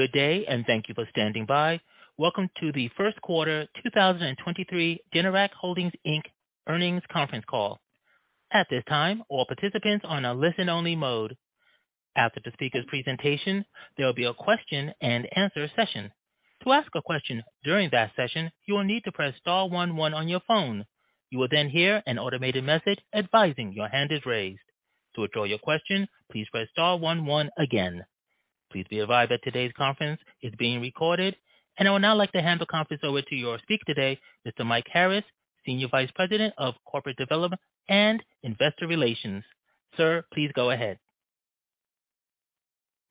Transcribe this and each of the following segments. Good day, and thank you for standing by. Welcome to the First Quarter 2023 Generac Holdings Inc Earnings Conference Call. At this time, all participants are on a listen only mode. After the speaker's presentation, there will be a question and answer session. To ask a question during that session, you will need to press star 11 on your phone. You will then hear an automated message advising your hand is raised. To withdraw your question, please press star 11 again. Please be advised that today's conference is being recorded. I would now like to hand the conference over to your speaker today, Mr. Mike Harris, Senior Vice President of Corporate Development and Investor Relations. Sir, please go ahead.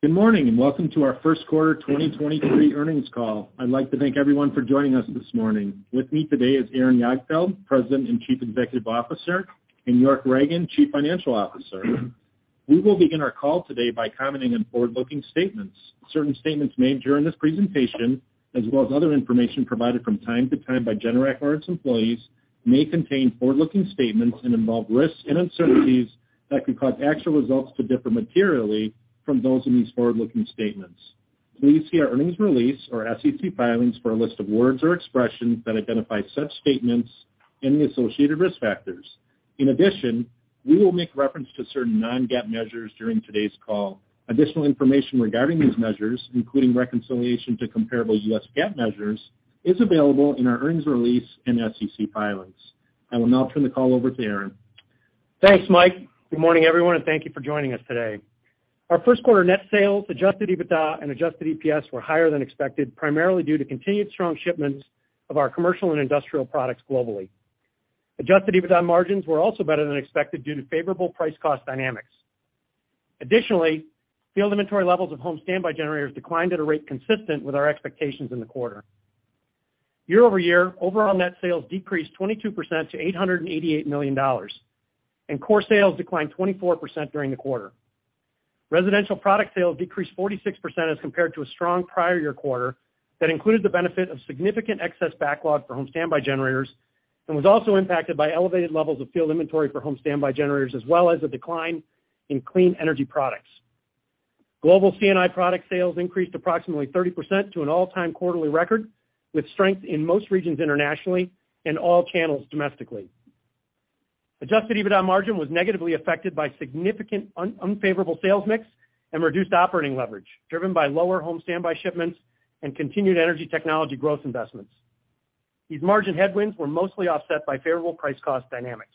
Good morning and welcome to our first quarter 2023 earnings call. I'd like to thank everyone for joining us this morning. With me today is Aaron Jagdfeld, President and Chief Executive Officer, and York Ragan, Chief Financial Officer. We will begin our call today by commenting on forward-looking statements. Certain statements made during this presentation, as well as other information provided from time to time by Generac or its employees, may contain forward-looking statements and involve risks and uncertainties that could cause actual results to differ materially from those in these forward-looking statements. Please see our earnings release or SEC filings for a list of words or expressions that identify such statements and the associated risk factors. We will make reference to certain non-GAAP measures during today's call. Additional information regarding these measures, including reconciliation to comparable U.S. GAAP measures, is available in our earnings release and SEC filings. I will now turn the call over to Aaron. Thanks, Mike. Good morning, everyone. Thank you for joining us today. Our first quarter net sales, adjusted EBITDA and adjusted EPS were higher than expected, primarily due to continued strong shipments of our commercial and industrial products globally. Adjusted EBITDA margins were also better than expected due to favorable price cost dynamics. Additionally, field inventory levels of home standby generators declined at a rate consistent with our expectations in the quarter. Year-over-year, overall net sales decreased 22% to $888 million, and core sales declined 24% during the quarter. Residential product sales decreased 46% as compared to a strong prior year quarter that included the benefit of significant excess backlog for home standby generators and was also impacted by elevated levels of field inventory for home standby generators as well as a decline in clean energy products. Global C&I product sales increased approximately 30% to an all-time quarterly record, with strength in most regions internationally and all channels domestically. Adjusted EBITDA margin was negatively affected by significant unfavorable sales mix and reduced operating leverage driven by lower home standby shipments and continued energy technology growth investments. These margin headwinds were mostly offset by favorable price cost dynamics.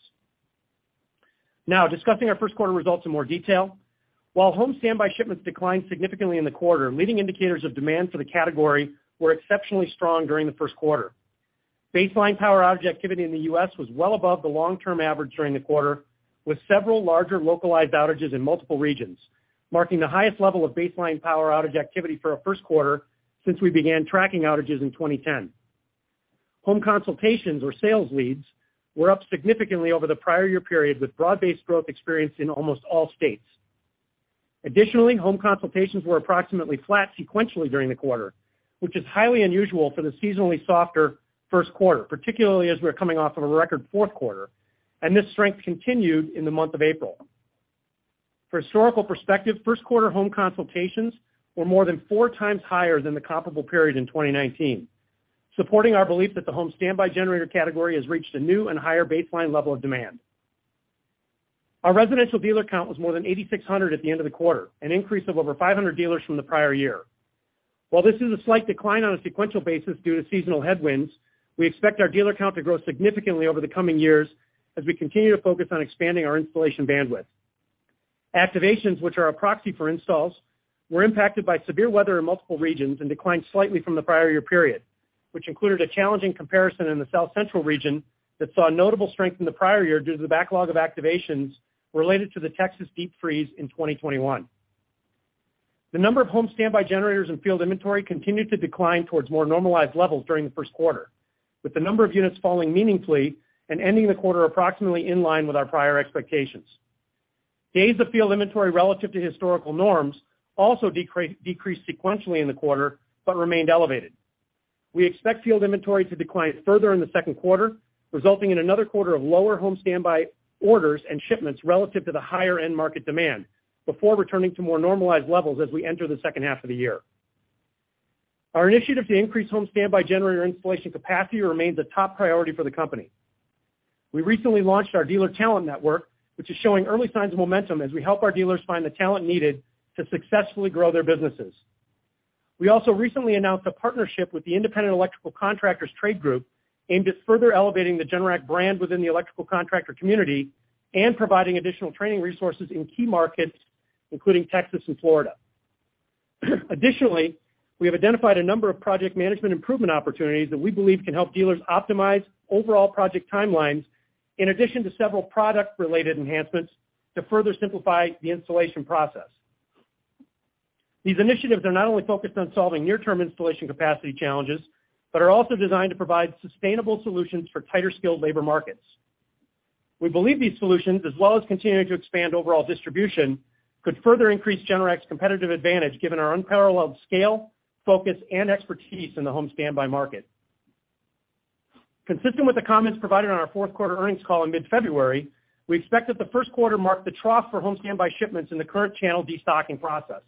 Discussing our first quarter results in more detail. While home standby shipments declined significantly in the quarter, leading indicators of demand for the category were exceptionally strong during the first quarter. Baseline power outage activity in the U.S. was well above the long-term average during the quarter, with several larger localized outages in multiple regions, marking the highest level of baseline power outage activity for a first quarter since we began tracking outages in 2010. Home consultations or sales leads were up significantly over the prior year period, with broad-based growth experienced in almost all states. Additionally, home consultations were approximately flat sequentially during the quarter, which is highly unusual for the seasonally softer first quarter, particularly as we're coming off of a record fourth quarter, and this strength continued in the month of April. For historical perspective, first quarter home consultations were more than 4x higher than the comparable period in 2019, supporting our belief that the home standby generator category has reached a new and higher baseline level of demand. Our residential dealer count was more than 8,600 at the end of the quarter, an increase of over 500 dealers from the prior year. While this is a slight decline on a sequential basis due to seasonal headwinds, we expect our dealer count to grow significantly over the coming years as we continue to focus on expanding our installation bandwidth. Activations, which are a proxy for installs, were impacted by severe weather in multiple regions and declined slightly from the prior year period, which included a challenging comparison in the South Central region that saw notable strength in the prior year due to the backlog of activations related to the Texas deep freeze in 2021. The number of home standby generators and field inventory continued to decline towards more normalized levels during the first quarter, with the number of units falling meaningfully and ending the quarter approximately in line with our prior expectations. Days of field inventory relative to historical norms also decreased sequentially in the quarter, but remained elevated. We expect field inventory to decline further in the second quarter, resulting in another quarter of lower home standby orders and shipments relative to the higher end market demand before returning to more normalized levels as we enter the second half of the year. Our initiative to increase home standby generator installation capacity remains a top priority for the company. We recently launched our Dealer Talent Network, which is showing early signs of momentum as we help our dealers find the talent needed to successfully grow their businesses. We also recently announced a partnership with the Independent Electrical Contractors Trade Group aimed at further elevating the Generac brand within the electrical contractor community and providing additional training resources in key markets, including Texas and Florida. Additionally, we have identified a number of project management improvement opportunities that we believe can help dealers optimize overall project timelines in addition to several product-related enhancements to further simplify the installation process. These initiatives are not only focused on solving near-term installation capacity challenges, but are also designed to provide sustainable solutions for tighter skilled labor markets. We believe these solutions, as well as continuing to expand overall distribution, could further increase Generac's competitive advantage given our unparalleled scale, focus, and expertise in the home standby market. Consistent with the comments provided on our fourth quarter earnings call in mid-February, we expect that the first quarter marked the trough for home standby shipments in the current channel destocking process.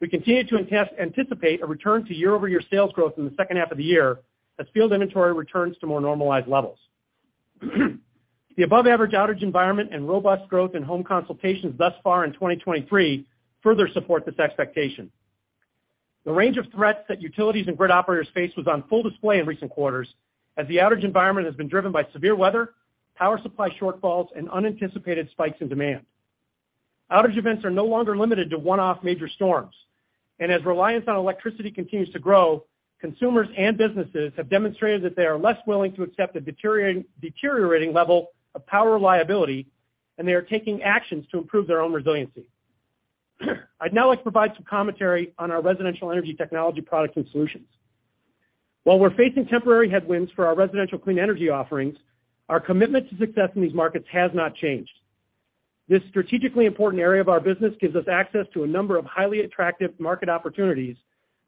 We continue to anticipate a return to year-over-year sales growth in the second half of the year as field inventory returns to more normalized levels. The above-average outage environment and robust growth in home consultations thus far in 2023 further support this expectation. The range of threats that utilities and grid operators face was on full display in recent quarters as the outage environment has been driven by severe weather, power supply shortfalls, and unanticipated spikes in demand. Outage events are no longer limited to one-off major storms. As reliance on electricity continues to grow, consumers and businesses have demonstrated that they are less willing to accept the deteriorating level of power liability, and they are taking actions to improve their own resiliency. I'd now like to provide some commentary on our residential energy technology products and solutions. While we're facing temporary headwinds for our residential clean energy offerings, our commitment to success in these markets has not changed. This strategically important area of our business gives us access to a number of highly attractive market opportunities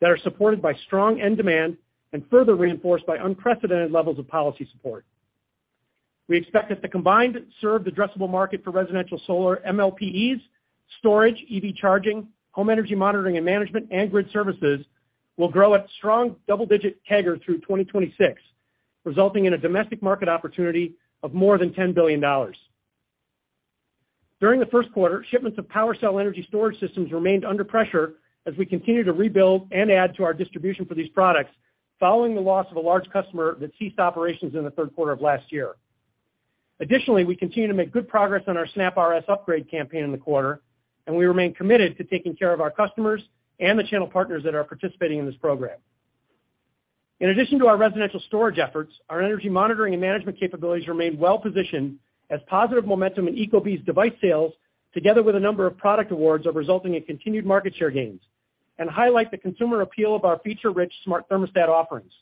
that are supported by strong end demand and further reinforced by unprecedented levels of policy support. We expect that the combined served addressable market for residential solar MLPEs, storage, EV charging, home energy monitoring and management, and Grid Services will grow at strong double-digit CAGR through 2026, resulting in a domestic market opportunity of more than $10 billion. During the first quarter, shipments of PWRcell energy storage systems remained under pressure as we continue to rebuild and add to our distribution for these products following the loss of a large customer that ceased operations in the third quarter of last year. Additionally, we continue to make good progress on our SnapRS upgrade campaign in the quarter, and we remain committed to taking care of our customers and the channel partners that are participating in this program. In addition to our residential storage efforts, our energy monitoring and management capabilities remain well positioned as positive momentum in ecobee's device sales, together with a number of product awards, are resulting in continued market share gains and highlight the consumer appeal of our feature-rich smart thermostat offerings.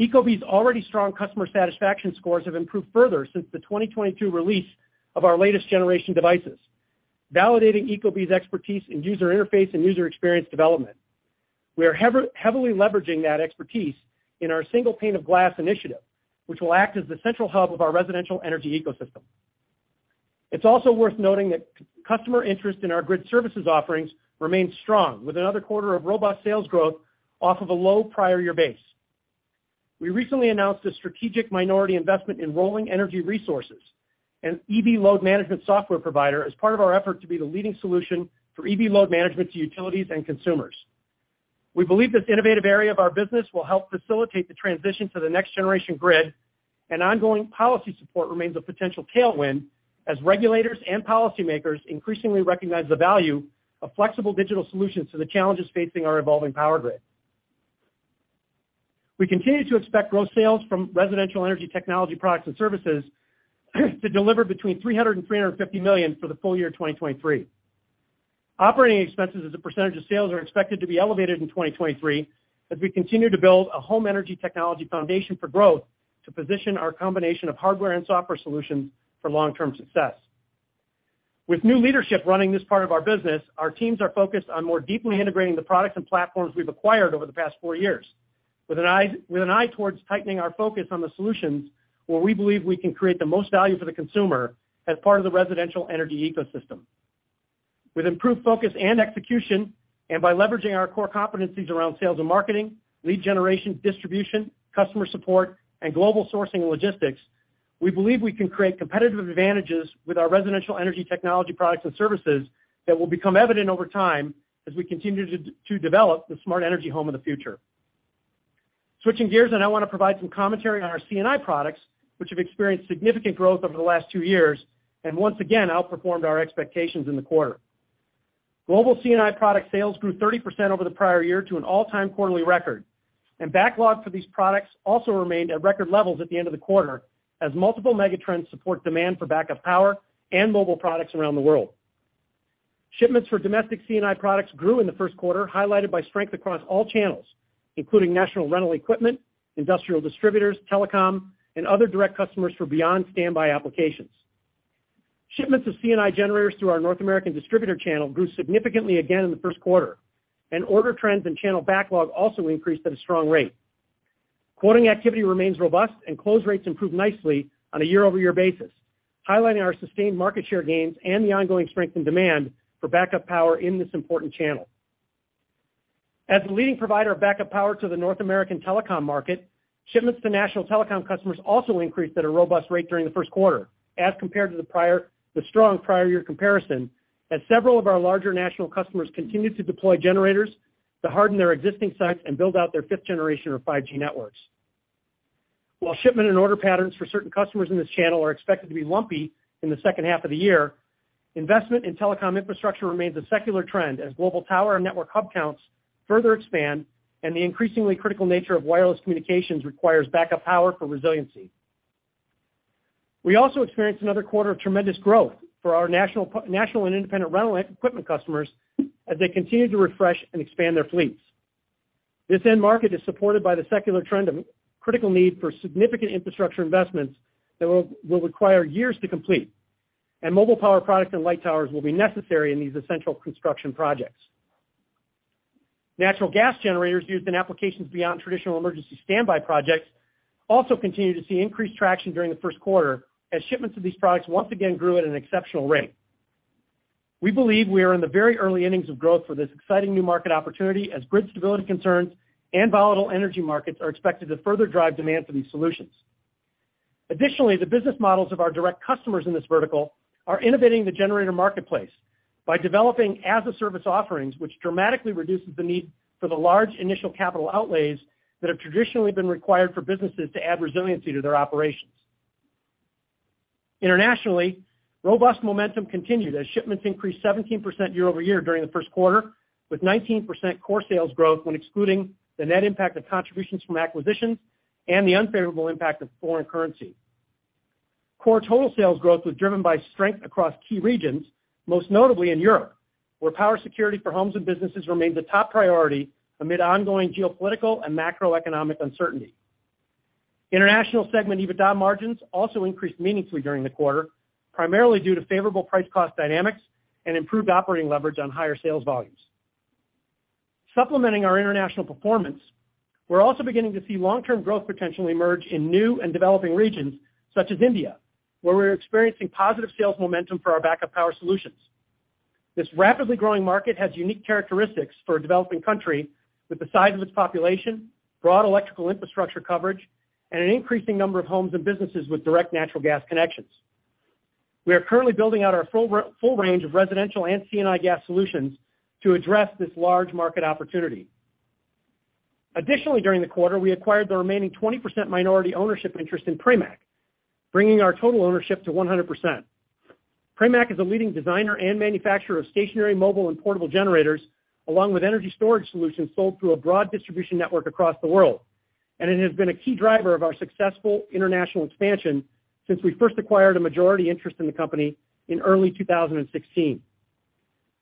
ecobee's already strong customer satisfaction scores have improved further since the 2022 release of our latest generation devices, validating ecobee's expertise in user interface and user experience development. We are heavily leveraging that expertise in our Single Pane of Glass initiative, which will act as the central hub of our residential energy ecosystem. It's also worth noting that customer interest in our Grid Services offerings remains strong, with another quarter of robust sales growth off of a low prior year base. We recently announced a strategic minority investment in Rolling Energy Resources, an EV load management software provider, as part of our effort to be the leading solution for EV load management to utilities and consumers. We believe this innovative area of our business will help facilitate the transition to the next generation grid. Ongoing policy support remains a potential tailwind as regulators and policymakers increasingly recognize the value of flexible digital solutions to the challenges facing our evolving power grid. We continue to expect growth sales from residential energy technology products and services to deliver between $300 million and $350 million for the full year 2023. Operating expenses as a percentage of sales are expected to be elevated in 2023 as we continue to build a home energy technology foundation for growth to position our combination of hardware and software solutions for long-term success. With new leadership running this part of our business, our teams are focused on more deeply integrating the products and platforms we've acquired over the past four years with an eye towards tightening our focus on the solutions where we believe we can create the most value for the consumer as part of the residential energy ecosystem. With improved focus and execution, and by leveraging our core competencies around sales and marketing, lead generation, distribution, customer support, and global sourcing and logistics, we believe we can create competitive advantages with our residential energy technology products and services that will become evident over time as we continue to develop the smart energy home of the future. Switching gears, I want to provide some commentary on our C&I products, which have experienced significant growth over the last two years and once again outperformed our expectations in the quarter. Global C&I product sales grew 30% over the prior year to an all-time quarterly record, and backlog for these products also remained at record levels at the end of the quarter as multiple megatrends support demand for backup power and mobile products around the world. Shipments for domestic C&I products grew in the first quarter, highlighted by strength across all channels, including national rental equipment, industrial distributors, telecom, and other direct customers for beyond standby applications. Shipments of C&I generators through our North American distributor channel grew significantly again in the first quarter. Order trends and channel backlog also increased at a strong rate. Quoting activity remains robust. Close rates improved nicely on a year-over-year basis, highlighting our sustained market share gains and the ongoing strength in demand for backup power in this important channel. As the leading provider of backup power to the North American telecom market, shipments to national telecom customers also increased at a robust rate during the first quarter as compared to the strong prior year comparison as several of our larger national customers continued to deploy generators to harden their existing sites and build out their fifth generation or 5G networks. While shipment and order patterns for certain customers in this channel are expected to be lumpy in the second half of the year, investment in telecom infrastructure remains a secular trend as global tower and network hub counts further expand and the increasingly critical nature of wireless communications requires backup power for resiliency. We also experienced another quarter of tremendous growth for our national and independent rental equipment customers as they continue to refresh and expand their fleets. This end market is supported by the secular trend of critical need for significant infrastructure investments that will require years to complete. Mobile power products and light towers will be necessary in these essential construction projects. Natural gas generators used in applications beyond traditional emergency standby projects also continue to see increased traction during the first quarter as shipments of these products once again grew at an exceptional rate. We believe we are in the very early innings of growth for this exciting new market opportunity as grid stability concerns and volatile energy markets are expected to further drive demand for these solutions. Additionally, the business models of our direct customers in this vertical are innovating the generator marketplace by developing as a service offerings, which dramatically reduces the need for the large initial capital outlays that have traditionally been required for businesses to add resiliency to their operations. Internationally, robust momentum continued as shipments increased 17% year-over-year during the first quarter, with 19% core sales growth when excluding the net impact of contributions from acquisitions and the unfavorable impact of foreign currency. Core total sales growth was driven by strength across key regions, most notably in Europe, where power security for homes and businesses remained the top priority amid ongoing geopolitical and macroeconomic uncertainty. International segment EBITDA margins also increased meaningfully during the quarter, primarily due to favorable price cost dynamics and improved operating leverage on higher sales volumes. Supplementing our international performance, we're also beginning to see long-term growth potentially emerge in new and developing regions such as India, where we're experiencing positive sales momentum for our backup power solutions. This rapidly growing market has unique characteristics for a developing country with the size of its population, broad electrical infrastructure coverage, and an increasing number of homes and businesses with direct natural gas connections. We are currently building out our full range of residential and C&I gas solutions to address this large market opportunity. Additionally, during the quarter, we acquired the remaining 20% minority ownership interest in Pramac, bringing our total ownership to 100%. Pramac is a leading designer and manufacturer of stationary, mobile, and portable generators, along with energy storage solutions sold through a broad distribution network across the world. It has been a key driver of our successful international expansion since we first acquired a majority interest in the company in early 2016.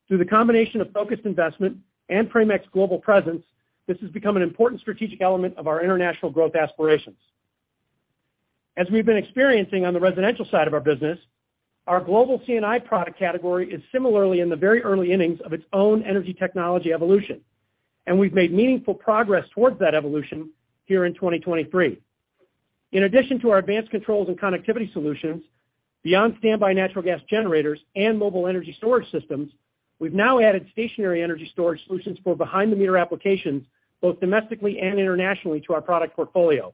Through the combination of focused investment and Pramac's global presence, this has become an important strategic element of our international growth aspirations. As we've been experiencing on the residential side of our business, our global C&I product category is similarly in the very early innings of its own energy technology evolution, and we've made meaningful progress towards that evolution here in 2023. In addition to our advanced controls and connectivity solutions, beyond standby natural gas generators and mobile energy storage systems, we've now added stationary energy storage solutions for behind the meter applications, both domestically and internationally, to our product portfolio.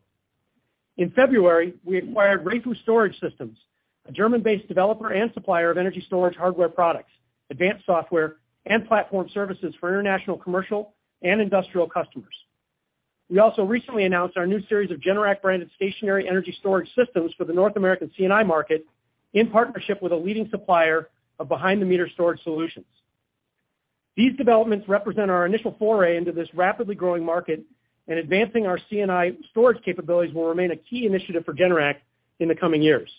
In February, we acquired REFU Storage Systems, a German-based developer and supplier of energy storage hardware products, advanced software, and platform services for international commercial and industrial customers. We also recently announced our new series of Generac branded stationary energy storage systems for the North American C&I market in partnership with a leading supplier of behind the meter storage solutions. These developments represent our initial foray into this rapidly growing market, and advancing our C&I storage capabilities will remain a key initiative for Generac in the coming years.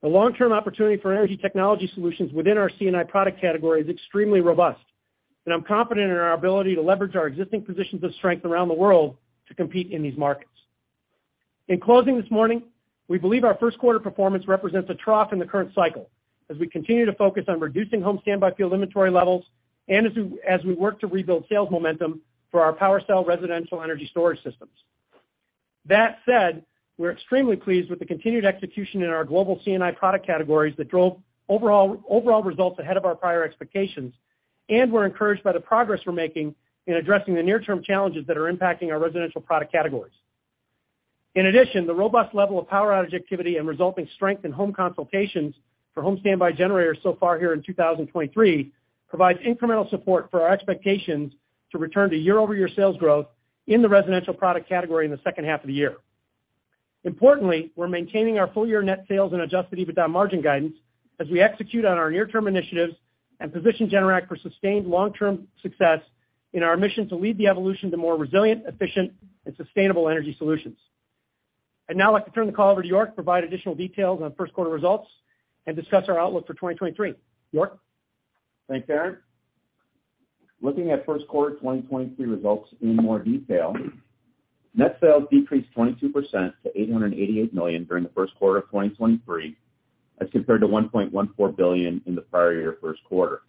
The long-term opportunity for energy technology solutions within our C&I product category is extremely robust, and I'm confident in our ability to leverage our existing positions of strength around the world to compete in these markets. In closing this morning, we believe our first quarter performance represents a trough in the current cycle as we continue to focus on reducing home standby field inventory levels and as we work to rebuild sales momentum for our PWRcell residential energy storage systems. That said, we're extremely pleased with the continued execution in our global C&I product categories that drove overall results ahead of our prior expectations. We're encouraged by the progress we're making in addressing the near-term challenges that are impacting our residential product categories. In addition, the robust level of power outage activity and resulting strength in home consultations for home standby generators so far here in 2023 provides incremental support for our expectations to return to year-over-year sales growth in the residential product category in the second half of the year. Importantly, we're maintaining our full year net sales and adjusted EBITDA margin guidance as we execute on our near-term initiatives and position Generac for sustained long-term success in our mission to lead the evolution to more resilient, efficient, and sustainable energy solutions. I'd now like to turn the call over to York to provide additional details on first quarter results and discuss our outlook for 2023. York? Thanks, Aaron. Looking at first quarter 2023 results in more detail, net sales decreased 22% to $888 million during the first quarter of 2023, as compared to $1.14 billion in the prior year first quarter.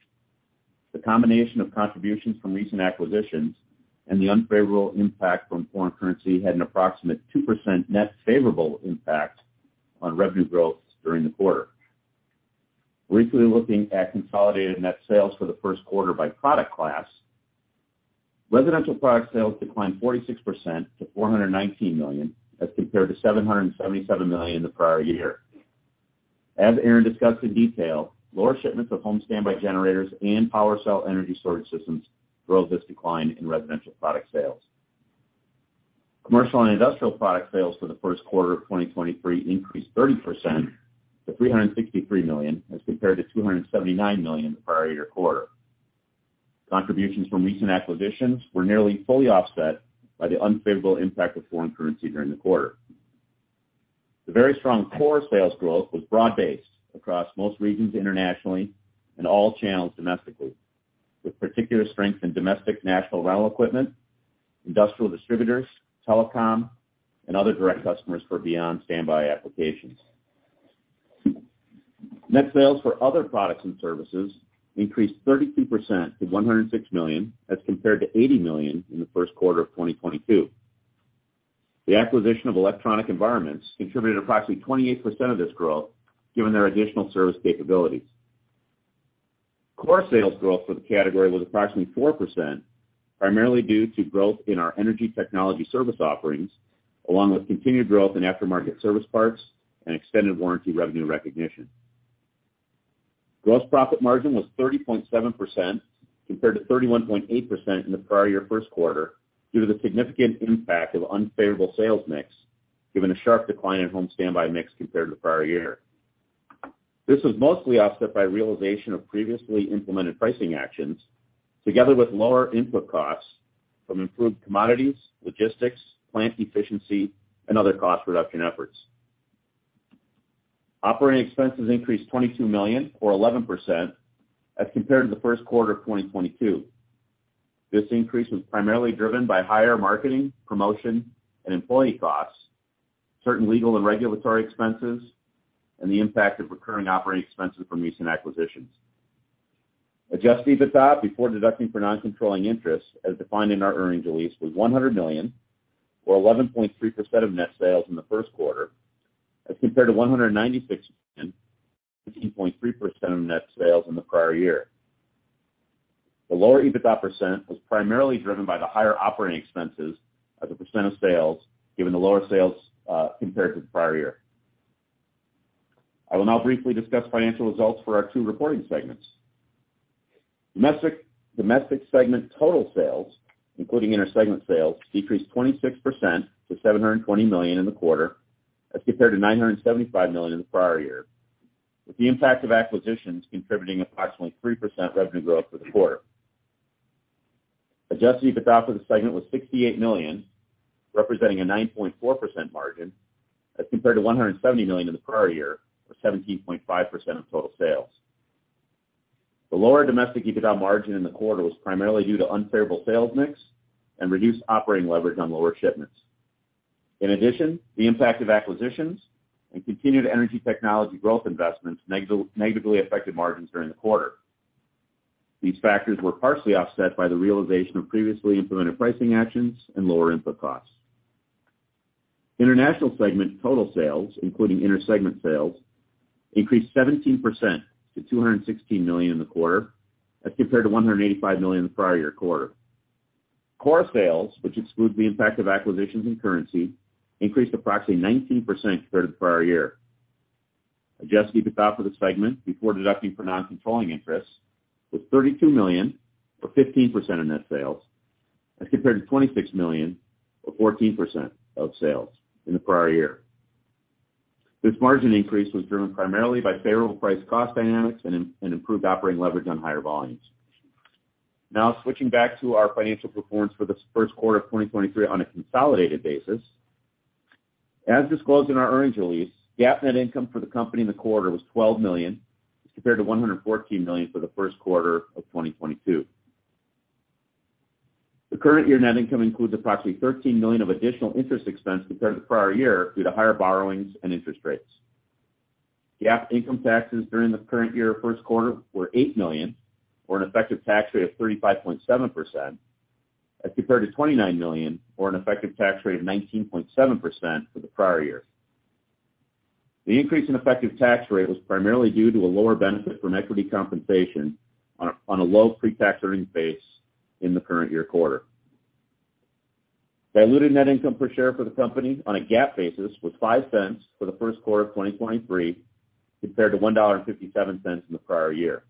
The combination of contributions from recent acquisitions and the unfavorable impact from foreign currency had an approximate 2% net favorable impact on revenue growth during the quarter. Briefly looking at consolidated net sales for the first quarter by product class. Residential product sales declined 46% to $419 million, as compared to $777 million the prior year. As Aaron discussed in detail, lower shipments of home standby generators and PWRcell energy storage systems drove this decline in residential product sales. Commercial and industrial product sales for the first quarter of 2023 increased 30% to $363 million, as compared to $279 million the prior year quarter. Contributions from recent acquisitions were nearly fully offset by the unfavorable impact of foreign currency during the quarter. The very strong core sales growth was broad-based across most regions internationally and all channels domestically, with particular strength in domestic national rental equipment, industrial distributors, telecom, and other direct customers for beyond standby applications. Net sales for other products and services increased 32% to $106 million as compared to $80 million in the first quarter of 2022. The acquisition of Electronic Environments contributed approximately 28% of this growth given their additional service capabilities. Core sales growth for the category was approximately 4%, primarily due to growth in our energy technology service offerings, along with continued growth in aftermarket service parts and extended warranty revenue recognition. Gross profit margin was 30.7% compared to 31.8% in the prior year first quarter due to the significant impact of unfavorable sales mix given the sharp decline in home standby mix compared to the prior year. This was mostly offset by realization of previously implemented pricing actions together with lower input costs from improved commodities, logistics, plant efficiency, and other cost reduction efforts. Operating expenses increased $22 million or 11% as compared to the first quarter of 2022. This increase was primarily driven by higher marketing, promotion and employee costs, certain legal and regulatory expenses, and the impact of recurring operating expenses from recent acquisitions. Adjusted EBITDA before deducting for non-controlling interests as defined in our earnings release was $100 million or 11.3% of net sales in the first quarter as compared to $196 million, 16.3% of net sales in the prior year. The lower EBITDA percent was primarily driven by the higher operating expenses as a percent of sales given the lower sales compared to the prior year. I will now briefly discuss financial results for our two reporting segments. Domestic segment total sales, including inter-segment sales, decreased 26% to $720 million in the quarter as compared to $975 million in the prior year, with the impact of acquisitions contributing approximately 3% revenue growth for the quarter. Adjusted EBITDA for the segment was $68 million, representing a 9.4% margin as compared to $170 million in the prior year, or 17.5% of total sales. The lower domestic EBITDA margin in the quarter was primarily due to unfavorable sales mix and reduced operating leverage on lower shipments. In addition, the impact of acquisitions and continued energy technology growth investments negatively affected margins during the quarter. These factors were partially offset by the realization of previously implemented pricing actions and lower input costs. International segment total sales, including inter-segment sales, increased 17% to $216 million in the quarter as compared to $185 million in the prior year quarter. Core sales, which excludes the impact of acquisitions and currency, increased approximately 19% compared to the prior year. Adjusted EBITDA for the segment before deducting for non-controlling interests was $32 million or 15% of net sales as compared to $26 million or 14% of sales in the prior year. This margin increase was driven primarily by favorable price cost dynamics and improved operating leverage on higher volumes. Switching back to our financial performance for the first quarter of 2023 on a consolidated basis. As disclosed in our earnings release, GAAP net income for the company in the quarter was $12 million as compared to $114 million for the first quarter of 2022. The current year net income includes approximately $13 million of additional interest expense compared to the prior year due to higher borrowings and interest rates. GAAP income taxes during the current year first quarter were $8 million or an effective tax rate of 35.7% as compared to $29 million or an effective tax rate of 19.7% for the prior year. The increase in effective tax rate was primarily due to a lower benefit from equity compensation on a low pre-tax earnings base in the current year quarter. Diluted net income per share for the company on a GAAP basis was $0.05 for the first quarter of 2023 compared to $1.57 in the prior year.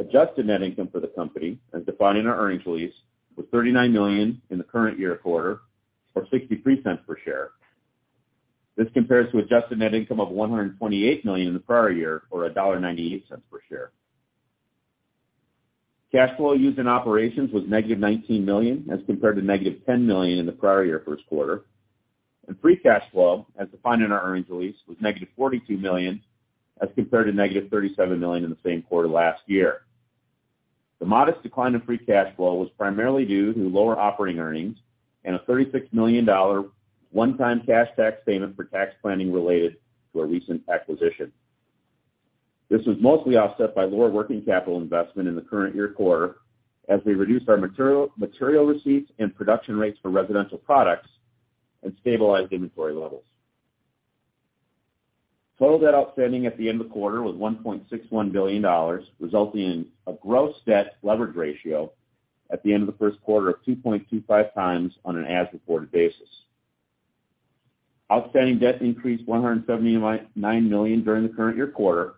Adjusted net income for the company as defined in our earnings release was $39 million in the current year quarter or $0.63 per share. This compares to adjusted net income of $128 million in the prior year or $1.98 per share. Cash flow used in operations was negative $19 million as compared to negative $10 million in the prior year first quarter, and free cash flow as defined in our earnings release was negative $42 million as compared to negative $37 million in the same quarter last year. The modest decline in free cash flow was primarily due to lower operating earnings and a $36 million one-time cash tax payment for tax planning related to a recent acquisition. This was mostly offset by lower working capital investment in the current year quarter as we reduced our material receipts and production rates for residential products and stabilized inventory levels. Total debt outstanding at the end of the quarter was $1.61 billion, resulting in a gross debt leverage ratio at the end of the first quarter of 2.25x on an as-reported basis. Outstanding debt increased $179 million during the current year quarter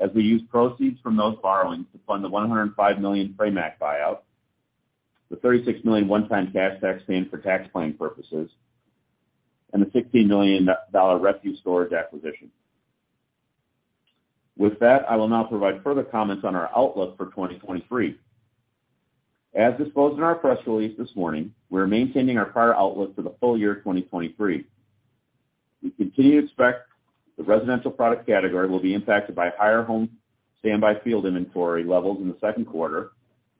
as we used proceeds from those borrowings to fund the $105 million Pramac buyout, the $36 million one-time cash tax payment for tax planning purposes, and the $16 million REFUstor acquisition. I will now provide further comments on our outlook for 2023. As disclosed in our press release this morning, we are maintaining our prior outlook for the full year 2023. We continue to expect the residential product category will be impacted by higher home standby field inventory levels in the second quarter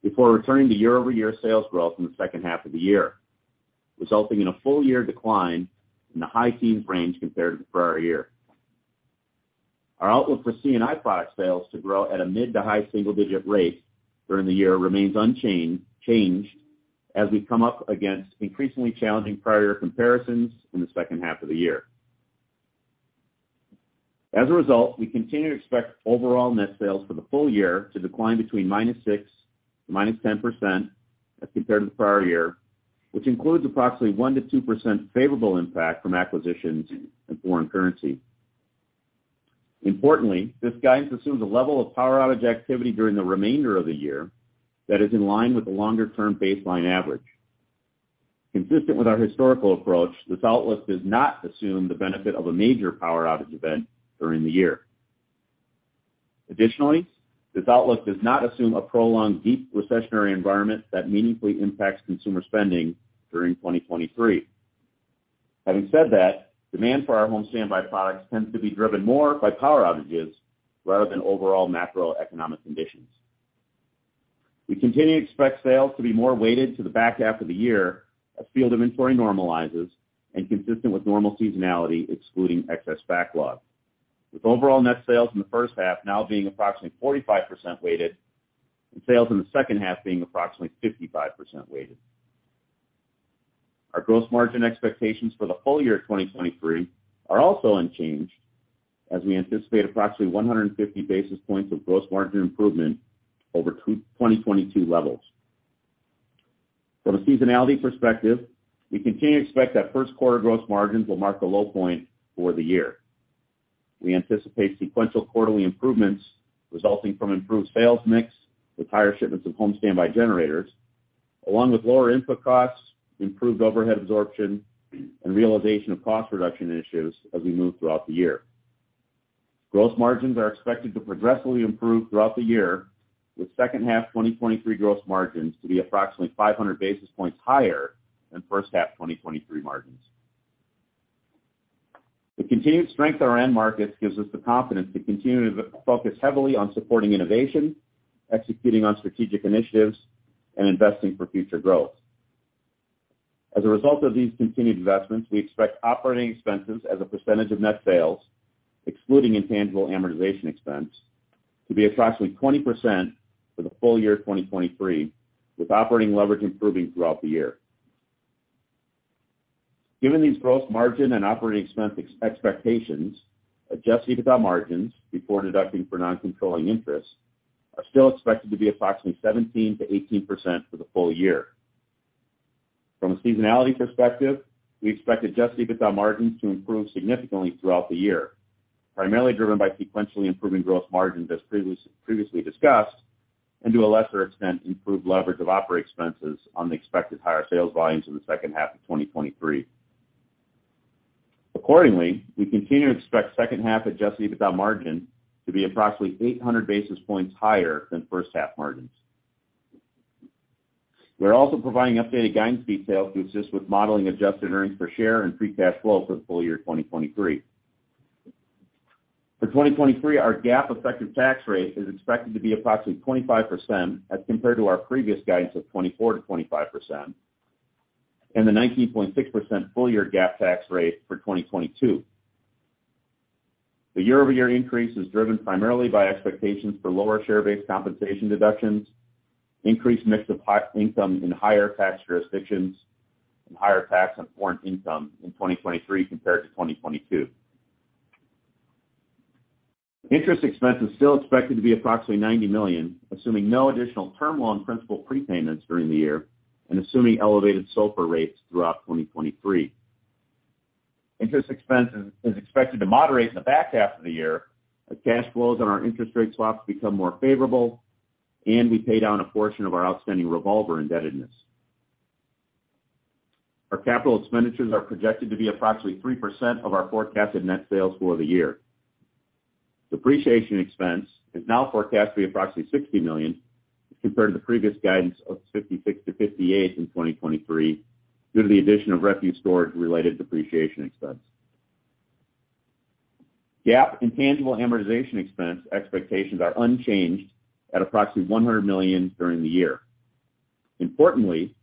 before returning to year-over-year sales growth in the second half of the year. Resulting in a full year decline in the high teens range compared to the prior year. Our outlook for C&I products sales to grow at a mid to high single-digit rate during the year remains unchanged as we come up against increasingly challenging prior comparisons in the second half of the year. As a result, we continue to expect overall net sales for the full year to decline between -6% to -10% as compared to the prior year, which includes approximately 1% to 2% favorable impact from acquisitions and foreign currency. Importantly, this guidance assumes a level of power outage activity during the remainder of the year that is in line with the longer-term baseline average. Consistent with our historical approach, this outlook does not assume the benefit of a major power outage event during the year. Additionally, this outlook does not assume a prolonged, deep recessionary environment that meaningfully impacts consumer spending during 2023. Having said that, demand for our home standby products tends to be driven more by power outages rather than overall macroeconomic conditions. We continue to expect sales to be more weighted to the back half of the year as field inventory normalizes and consistent with normal seasonality, excluding excess backlog, with overall net sales in the first half now being approximately 45% weighted and sales in the second half being approximately 55% weighted. Our gross margin expectations for the full year 2023 are also unchanged as we anticipate approximately 150 basis points of gross margin improvement over 2022 levels. From a seasonality perspective, we continue to expect that first quarter gross margins will mark the low point for the year. We anticipate sequential quarterly improvements resulting from improved sales mix with higher shipments of home standby generators, along with lower input costs, improved overhead absorption, and realization of cost reduction initiatives as we move throughout the year. Gross margins are expected to progressively improve throughout the year, with second half 2023 gross margins to be approximately 500 basis points higher than first half 2023 margins. The continued strength in our end markets gives us the confidence to continue to focus heavily on supporting innovation, executing on strategic initiatives, and investing for future growth. As a result of these continued investments, we expect operating expenses as a percentage of net sales, excluding intangible amortization expense, to be approximately 20% for the full year 2023, with operating leverage improving throughout the year. Given these gross margin and operating expense expectations, adjusted EBITDA margins before deducting for non-controlling interests are still expected to be approximately 17%-18% for the full year. From a seasonality perspective, we expect adjusted EBITDA margins to improve significantly throughout the year, primarily driven by sequentially improving gross margins as previously discussed, and to a lesser extent, improved leverage of operating expenses on the expected higher sales volumes in the second half of 2023. Accordingly, we continue to expect second half adjusted EBITDA margin to be approximately 800 basis points higher than first half margins. We're also providing updated guidance details to assist with modeling adjusted earnings per share and free cash flow for the full year 2023. For 2023, our GAAP effective tax rate is expected to be approximately 25% as compared to our previous guidance of 24%-25% and the 19.6% full year GAAP tax rate for 2022. The year-over-year increase is driven primarily by expectations for lower share-based compensation deductions, increased mix of high income in higher tax jurisdictions, and higher tax on foreign income in 2023 compared to 2022. Interest expense is still expected to be approximately $90 million, assuming no additional term loan principal prepayments during the year and assuming elevated SOFR rates throughout 2023. Interest expense is expected to moderate in the back half of the year as cash flows on our interest rate swaps become more favorable and we pay down a portion of our outstanding revolver indebtedness. Our capital expenditures are projected to be approximately 3% of our forecasted net sales for the year. Depreciation expense is now forecast to be approximately $60 million as compared to previous guidance of $56 million-$58 million in 2023 due to the addition of REFUstor-related depreciation expense. GAAP intangible amortization expense expectations are unchanged at approximately $100 million during the year. Importantly,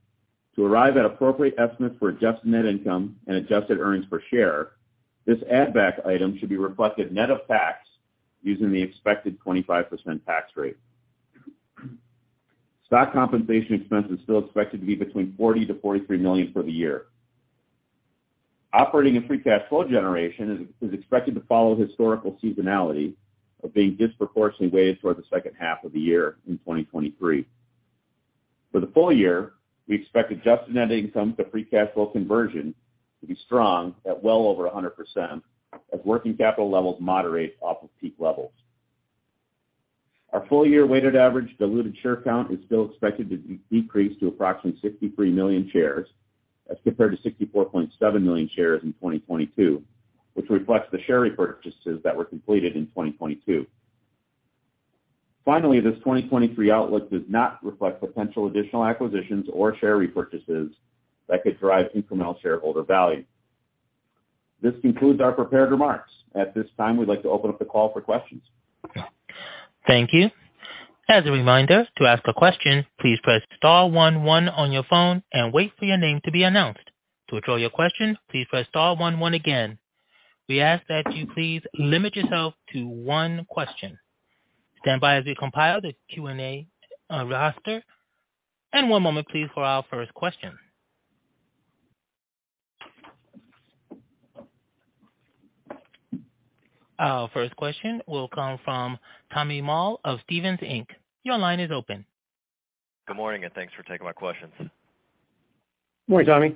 to arrive at appropriate estimates for adjusted net income and adjusted earnings per share, this add back item should be reflected net of tax using the expected 25% tax rate. Stock compensation expense is still expected to be between $40 million-$43 million for the year. Operating and free cash flow generation is expected to follow historical seasonality of being disproportionately weighted towards the second half of the year in 2023. For the full year, we expect adjusted net income to free cash flow conversion to be strong at well over 100% as working capital levels moderate off of peak levels. Our full year weighted average diluted share count is still expected to decrease to approximately 63 million shares as compared to 64.7 million shares in 2022, which reflects the share repurchases that were completed in 2022. Finally, this 2023 outlook does not reflect potential additional acquisitions or share repurchases that could drive incremental shareholder value. This concludes our prepared remarks. At this time, we'd like to open up the call for questions. Thank you. As a reminder, to ask a question, please press star one one on your phone and wait for your name to be announced. To withdraw your question, please press star one one again. We ask that you please limit yourself to one question. Stand by as we compile the Q&A roster. One moment please for our first question. Our first question will come from Tommy Moll of Stephens Inc. Your line is open. Good morning, and thanks for taking my questions. Morning, Tommy.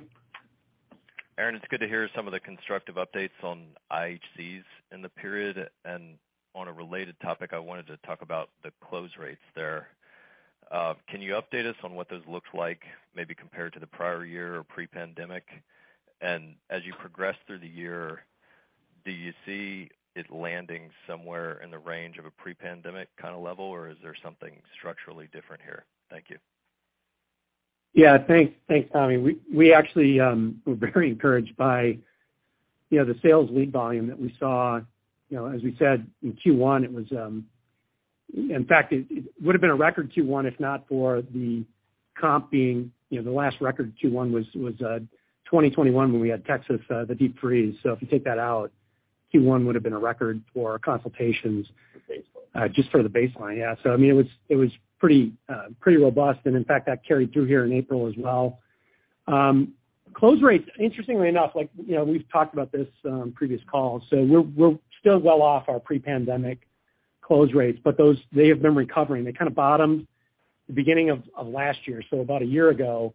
Aaron, it's good to hear some of the constructive updates on IHCs in the period. On a related topic, I wanted to talk about the close rates there. Can you update us on what those looks like maybe compared to the prior year or pre-pandemic? As you progress through the year, do you see it landing somewhere in the range of a pre-pandemic kind of level, or is there something structurally different here? Thank you. Yeah, thanks. Thanks, Tommy. We actually were very encouraged by, you know, the sales lead volume that we saw. You know, as we said in Q1, it was, in fact, it would have been a record Q1, if not for the comp being, you know, the last record Q1 was 2021 when we had Texas, the deep freeze. If you take that out, Q1 would have been a record for consultations. Just for the baseline. Yeah. I mean, it was, it was pretty robust. In fact, that carried through here in April as well. Close rates, interestingly enough, like, you know, we've talked about this, previous calls, so we're still well off our pre-pandemic close rates, but they have been recovering. They kind of bottomed the beginning of last year, so about a year ago.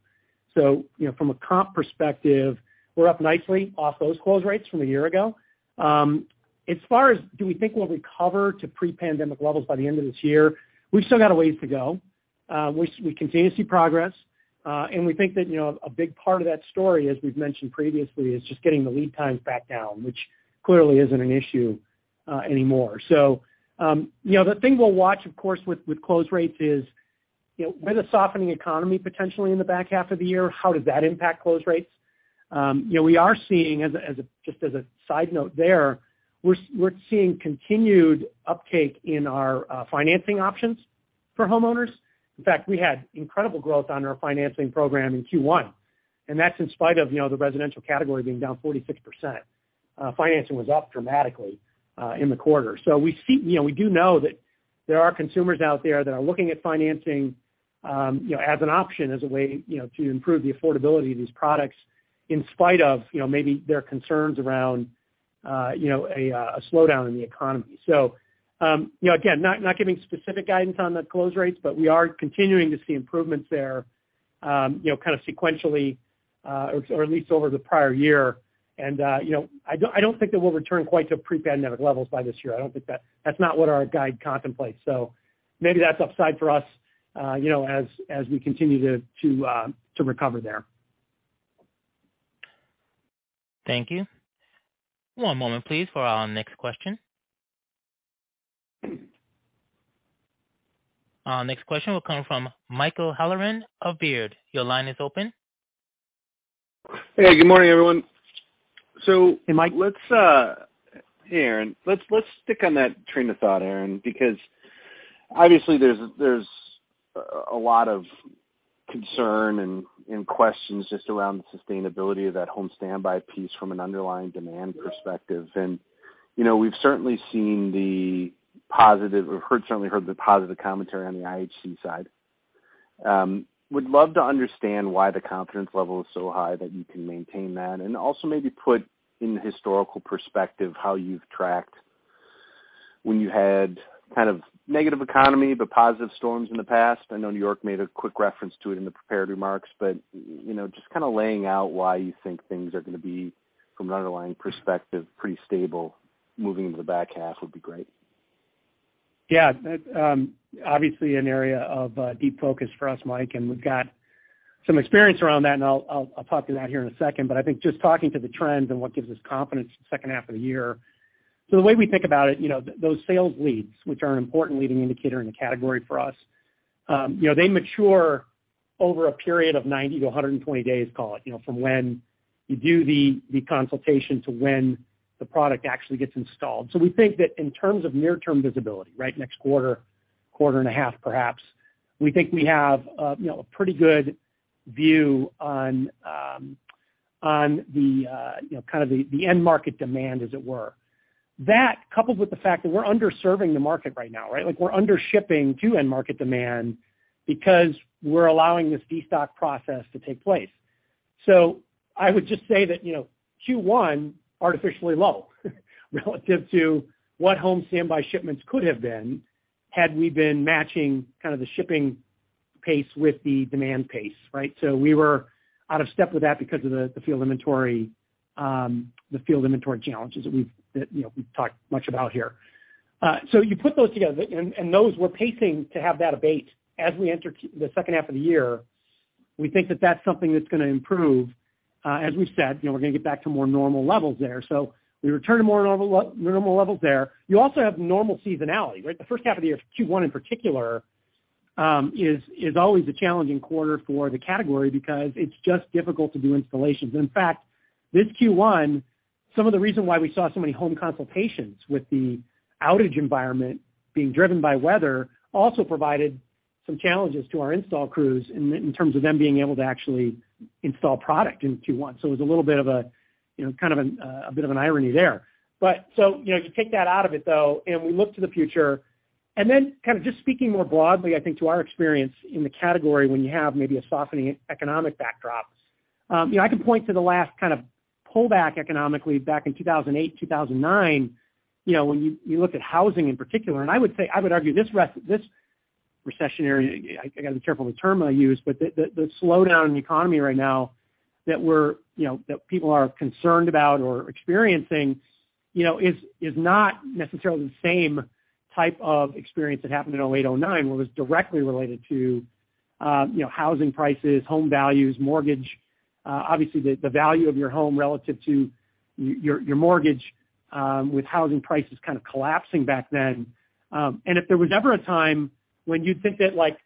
You know, from a comp perspective, we're up nicely off those close rates from a year ago. As far as do we think we'll recover to pre-pandemic levels by the end of this year, we've still got a ways to go. We continue to see progress, and we think that, you know, a big part of that story, as we've mentioned previously, is just getting the lead times back down, which clearly isn't an issue anymore. You know, the thing we'll watch, of course, with close rates is, you know, with a softening economy potentially in the back half of the year, how does that impact close rates? You know, we are seeing just as a side note there, we're seeing continued uptake in our financing options for homeowners. In fact, we had incredible growth on our financing program in Q1, and that's in spite of, you know, the residential category being down 46%. Financing was up dramatically in the quarter. We see-- You know, we do know that there are consumers out there that are looking at financing, you know, as an option, as a way, you know, to improve the affordability of these products in spite of, you know, maybe their concerns around, you know, a slowdown in the economy. You know, again, not giving specific guidance on the close rates, but we are continuing to see improvements there, you know, kind of sequentially, or at least over the prior year. You know, I don't, I don't think that we'll return quite to pre-pandemic levels by this year. That's not what our guide contemplates. Maybe that's upside for us, you know, as we continue to recover there. Thank you. One moment please for our next question. Our next question will come from Michael Halloran of Baird. Your line is open. Hey, good morning, everyone. Hey, Mike. Hey, Aaron. Let's stick on that train of thought, Aaron, because obviously there's a lot of concern and questions just around the sustainability of that home standby piece from an underlying demand perspective. You know, we've certainly seen the positive or certainly heard the positive commentary on the IHC side. Would love to understand why the confidence level is so high that you can maintain that and also maybe put in historical perspective how you've tracked when you had kind of negative economy, but positive storms in the past. I know York made a quick reference to it in the prepared remarks. You know, just kinda laying out why you think things are gonna be, from an underlying perspective, pretty stable moving into the back half would be great. Yeah. That, obviously an area of deep focus for us, Mike, and we've got some experience around that, and I'll talk to that here in a second. I think just talking to the trends and what gives us confidence the second half of the year. The way we think about it, you know, those sales leads, which are an important leading indicator in the category for us, you know, they mature over a period of 90 to 120 days, call it, you know, from when you do the consultation to when the product actually gets installed. We think that in terms of near-term visibility, right, next quarter and a half perhaps, we think we have, you know, a pretty good view on the, you know, kind of the end market demand, as it were. That coupled with the fact that we're underserving the market right now, right? Like, we're undershipping to end market demand because we're allowing this destock process to take place. I would just say that, you know, Q1 artificially low relative to what home standby shipments could have been had we been matching kind of the shipping pace with the demand pace, right? We were out of step with that because of the field inventory challenges that we've, that, you know, we've talked much about here. You put those together and those we're pacing to have that abate as we enter the second half of the year. We think that that's gonna improve. As we said, you know, we're gonna get back to more normal levels there. We return to more normal levels there. You also have normal seasonality, right? The first half of the year, Q1 in particular is always a challenging quarter for the category because it's just difficult to do installations. In fact, this Q1, some of the reason why we saw so many home consultations with the outage environment being driven by weather also provided some challenges to our install crews in terms of them being able to actually install product in Q1. It was a little bit of a, you know, kind of an, a bit of an irony there. You know, you take that out of it, though, and we look to the future. Kind of just speaking more broadly, I think to our experience in the category when you have maybe a softening economic backdrop, you know, I can point to the last kind of pullback economically back in 2008, 2009. You know, when you look at housing in particular, and I would say, I would argue this recessionary, I gotta be careful with the term I use, but the slowdown in the economy right now that we're, you know, that people are concerned about or experiencing, you know, is not necessarily the same type of experience that happened in 2008, 2009, where it was directly related to, you know, housing prices, home values, mortgage, obviously the value of your home relative to your mortgage, with housing prices kind of collapsing back then. If there was ever a time when you'd think that, like,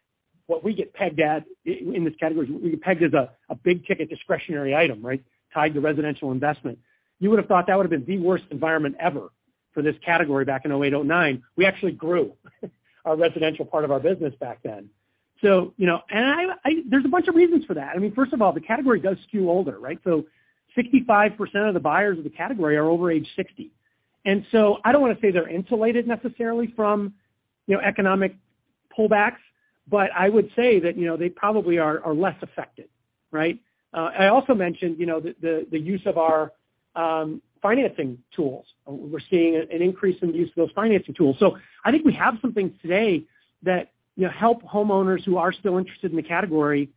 what we get pegged at in this category, we get pegged as a big-ticket discretionary item, right, tied to residential investment. You would have thought that would have been the worst environment ever for this category back in 2008, 2009. We actually grew our residential part of our business back then. You know, and I, there's a bunch of reasons for that. I mean, first of all, the category does skew older, right? 65% of the buyers of the category are over age 60. I don't wanna say they're insulated necessarily from, you know, economic pullbacks, but I would say that, you know, they probably are less affected, right? I also mentioned, you know, the use of our financing tools. We're seeing an increase in the use of those financing tools. I think we have some things today that help homeowners who are still interested in the category,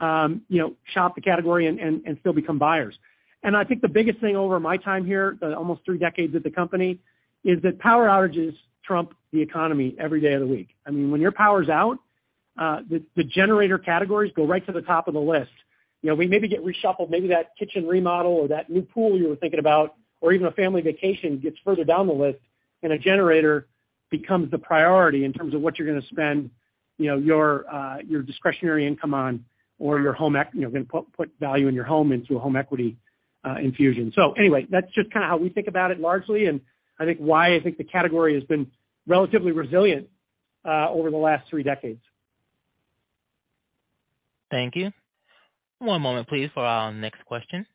you know, shop the category and still become buyers. I think the biggest thing over my time here, the almost three decades at the company, is that power outages trump the economy every day of the week. I mean, when your power's out, the generator categories go right to the top of the list. You know, we maybe get reshuffled. Maybe that kitchen remodel or that new pool you were thinking about, or even a family vacation gets further down the list, and a generator becomes the priority in terms of what you're gonna spend, you know, your discretionary income on or your home equity, you know, put value in your home into a home equity infusion. That's just kind of how we think about it largely, and I think why I think the category has been relatively resilient over the last three decades. Thank you. One moment, please, for our next question.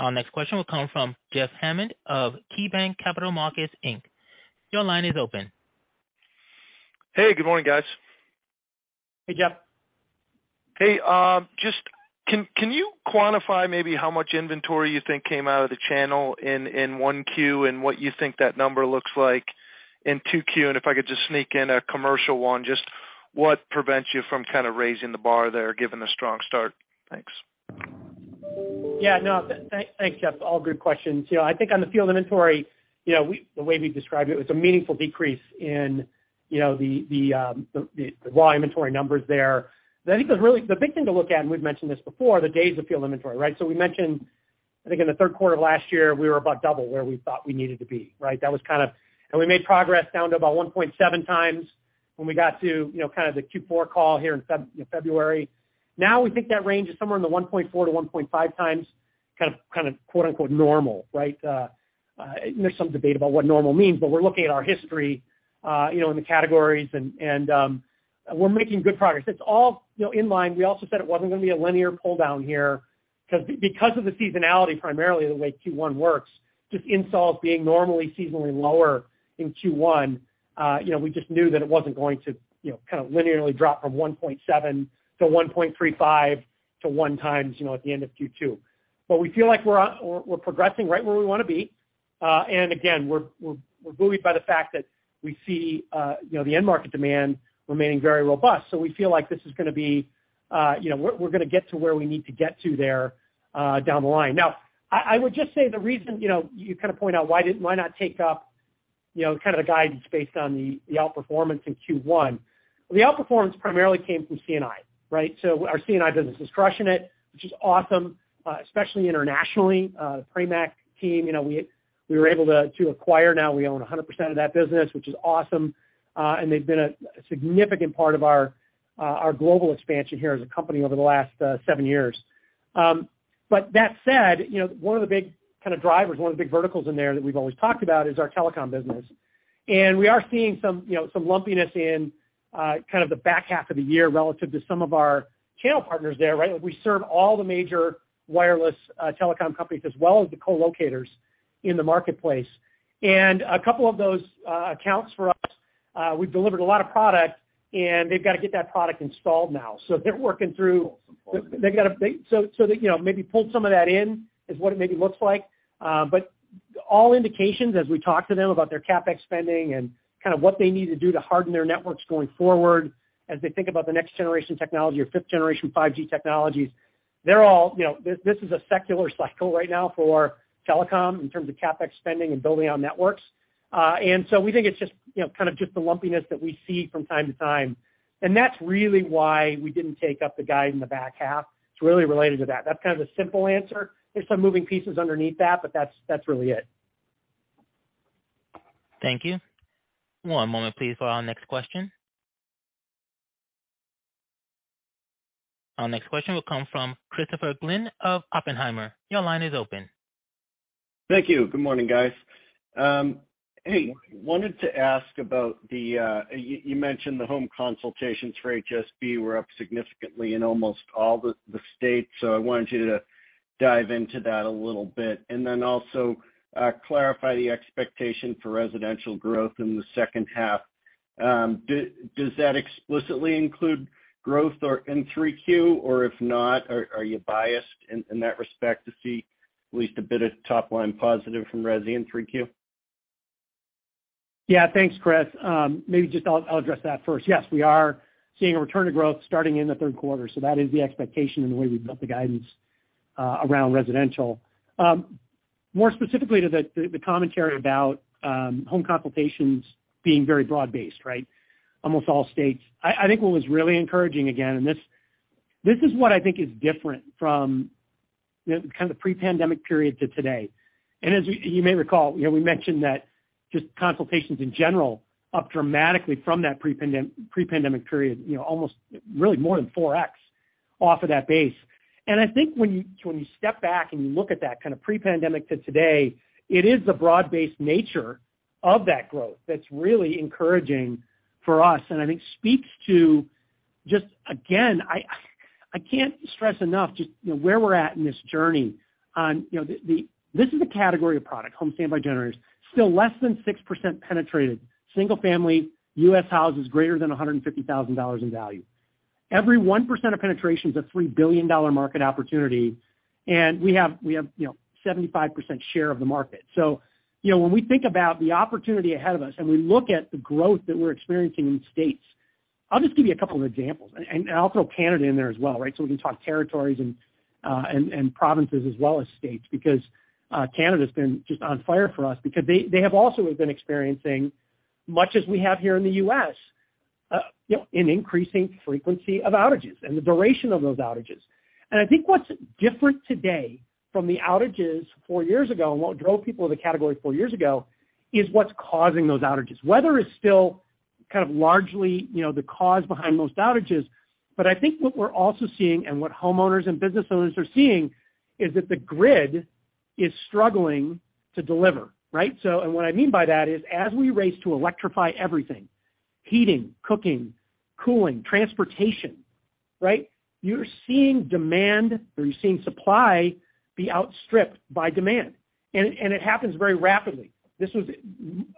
Our next question will come from Jeff Hammond of KeyBanc Capital Markets I. Your line is open. Hey, good morning, guys. Hey, Jeff. Hey, just can you quantify maybe how much inventory you think came out of the channel in 1Q and what you think that number looks like in 2Q? If I could just sneak in a commercial one, just what prevents you from kind of raising the bar there, given the strong start? Thanks. Yeah, no, thanks, Jeff. All good questions. You know, I think on the field inventory, you know, the way we described it was a meaningful decrease in, you know, the raw inventory numbers there. I think it was the big thing to look at, and we've mentioned this before, the days of field inventory, right? We mentioned, I think in the third quarter of last year, we were about double where we thought we needed to be, right? That was kind of. We made progress down to about 1.7x when we got to, you know, kind of the Q4 call here in February. We think that range is somewhere in the 1.4x to 1.5x kind of quote-unquote, normal, right? There's some debate about what normal means, we're looking at our history, you know, in the categories and we're making good progress. It's all, you know, in line. We also said it wasn't gonna be a linear pull-down here because of the seasonality, primarily the way Q1 works, just installs being normally seasonally lower in Q1, you know, we just knew that it wasn't going to, you know, kind of linearly drop from 1.7x to 1.35x to 1x, you know, at the end of Q2. We feel like we're progressing right where we wanna be. Again, we're buoyed by the fact that we see, you know, the end market demand remaining very robust. We feel like this is gonna be, you know, we're gonna get to where we need to get to there, down the line. Now, I would just say the reason, you know, you kind of point out why didn't, why not take up, you know, kind of the guidance based on the outperformance in Q1. The outperformance primarily came from C&I, right? Our C&I business is crushing it, which is awesome, especially internationally. Pramac team, you know, we were able to acquire. Now we own 100% of that business, which is awesome. And they've been a significant part of our global expansion here as a company over the last seven years. That said, you know, one of the big kind of drivers, one of the big verticals in there that we've always talked about is our telecom business. We are seeing some, you know, some lumpiness in kind of the back half of the year relative to some of our channel partners there, right? We serve all the major wireless telecom companies as well as the co-locators in the marketplace. A couple of those accounts for us, we've delivered a lot of product and they've got to get that product installed now. So they, you know, maybe pulled some of that in, is what it maybe looks like. All indications as we talk to them about their CapEx spending and kind of what they need to do to harden their networks going forward, as they think about the next generation technology or fifth generation 5G technologies, they're all, you know. This is a secular cycle right now for telecom in terms of CapEx spending and building out networks. We think it's just, you know, kind of just the lumpiness that we see from time to time. That's really why we didn't take up the guide in the back half. It's really related to that. That's kind of the simple answer. There's some moving pieces underneath that, but that's really it. Thank you. One moment, please, for our next question. Our next question will come from Christopher Glynn of Oppenheimer. Your line is open. Thank you. Good morning, guys. Hey, wanted to ask about the you mentioned the home consultations for HSB were up significantly in almost all the states. I wanted you to dive into that a little bit and then also, clarify the expectation for residential growth in the second half. Does that explicitly include growth or in 3Q or if not, are you biased in that respect to see at least a bit of top line positive from resi in 3Q? Yeah, thanks, Chris. Maybe just I'll address that first. Yes, we are seeing a return to growth starting in the third quarter. That is the expectation and the way we've built the guidance around residential. More specifically to the commentary about home consultations being very broad-based, right? Almost all states. I think what was really encouraging again, this is what I think is different from the kind of pre-pandemic period to today. As you may recall, you know, we mentioned that just consultations in general up dramatically from that pre-pandemic period, you know, almost really more than 4x off of that base. I think when you step back and you look at that kind of pre-pandemic to today, it is the broad-based nature of that growth that's really encouraging for us and I think speaks to just again, I can't stress enough just, you know, where we're at in this journey on, you know, this is a category of product, home standby generators, still less than 6% penetrated single-family U.S. houses greater than $150,000 in value. Every 1% of penetration is a $3 billion market opportunity, and we have, you know, 75% share of the market. You know, when we think about the opportunity ahead of us and we look at the growth that we're experiencing in states, I'll just give you a couple of examples, and I'll throw Canada in there as well, right? We can talk territories and provinces as well as states because Canada's been just on fire for us. They have also been experiencing much as we have here in the U.S., you know, an increasing frequency of outages and the duration of those outages. I think what's different today from the outages four years ago and what drove people to the category four years ago is what's causing those outages. Weather is still kind of largely, you know, the cause behind most outages. I think what we're also seeing and what homeowners and business owners are seeing is that the grid is struggling to deliver, right? What I mean by that is as we race to electrify everything, heating, cooking, cooling, transportation, right? You're seeing demand or you're seeing supply be outstripped by demand. It happens very rapidly. This was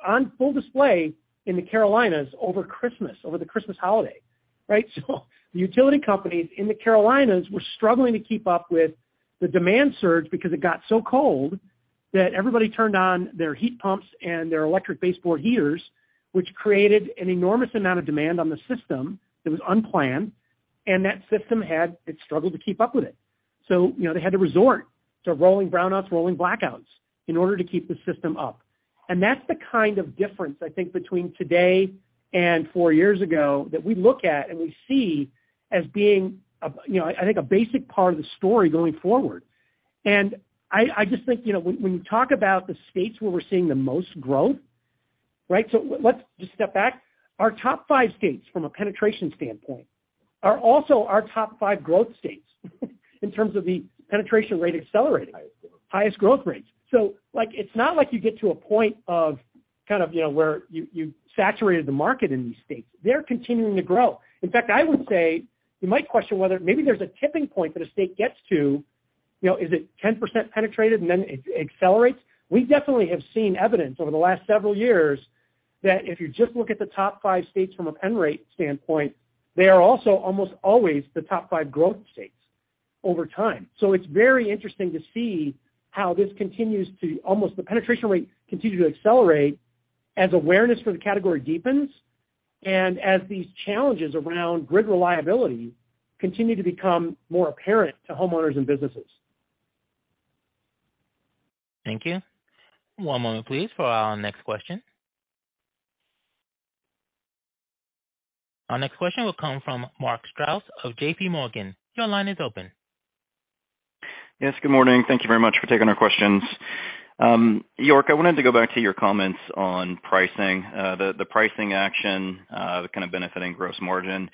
on full display in the Carolinas over Christmas, over the Christmas holiday, right? The utility companies in the Carolinas were struggling to keep up with the demand surge because it got so cold that everybody turned on their heat pumps and their electric baseboard heaters, which created an enormous amount of demand on the system that was unplanned, and that system had. It struggled to keep up with it. You know, they had to resort to rolling brownouts, rolling blackouts in order to keep the system up. That's the kind of difference, I think, between today and four years ago that we look at and we see as being a, you know, I think a basic part of the story going forward. I just think, you know, when you talk about the states where we're seeing the most growth, right? Let's just step back. Our top five states from a penetration standpoint are also our top five growth states in terms of the penetration rate accelerating. Highest growth rates. like, it's not like you get to a point of kind of, you know, where you saturated the market in these states. They're continuing to grow. In fact, I would say you might question whether maybe there's a tipping point that a state gets to, you know, is it 10% penetrated and then it accelerates? We definitely have seen evidence over the last several years that if you just look at the top five states from a pen rate standpoint, they are also almost always the top five growth states over time. it's very interesting to see how this continues to almost the penetration rate continue to accelerate as awareness for the category deepens and as these challenges around grid reliability continue to become more apparent to homeowners and businesses. Thank you. One moment please for our next question. Our next question will come from Mark Strouse of J.P. Morgan. Your line is open. Yes, good morning. Thank you very much for taking our questions. York, I wanted to go back to your comments on pricing, the pricing action, kind of benefiting gross margin.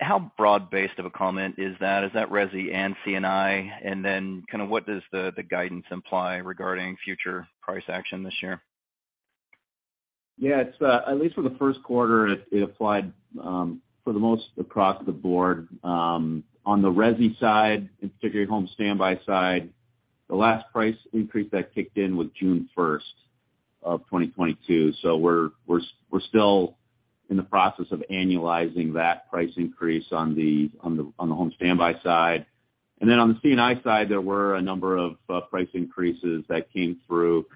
How broad-based of a comment is that? Is that resi and C&I? Then kind of what does the guidance imply regarding future price action this year? It's at least for the first quarter, it applied for the most across the board. On the resi side, in particular home standby side, the last price increase that kicked in was June 1st of 2022. We're still in the process of annualizing that price increase on the, on the, on the home standby side. On the C&I side, there were a number of price increases that came through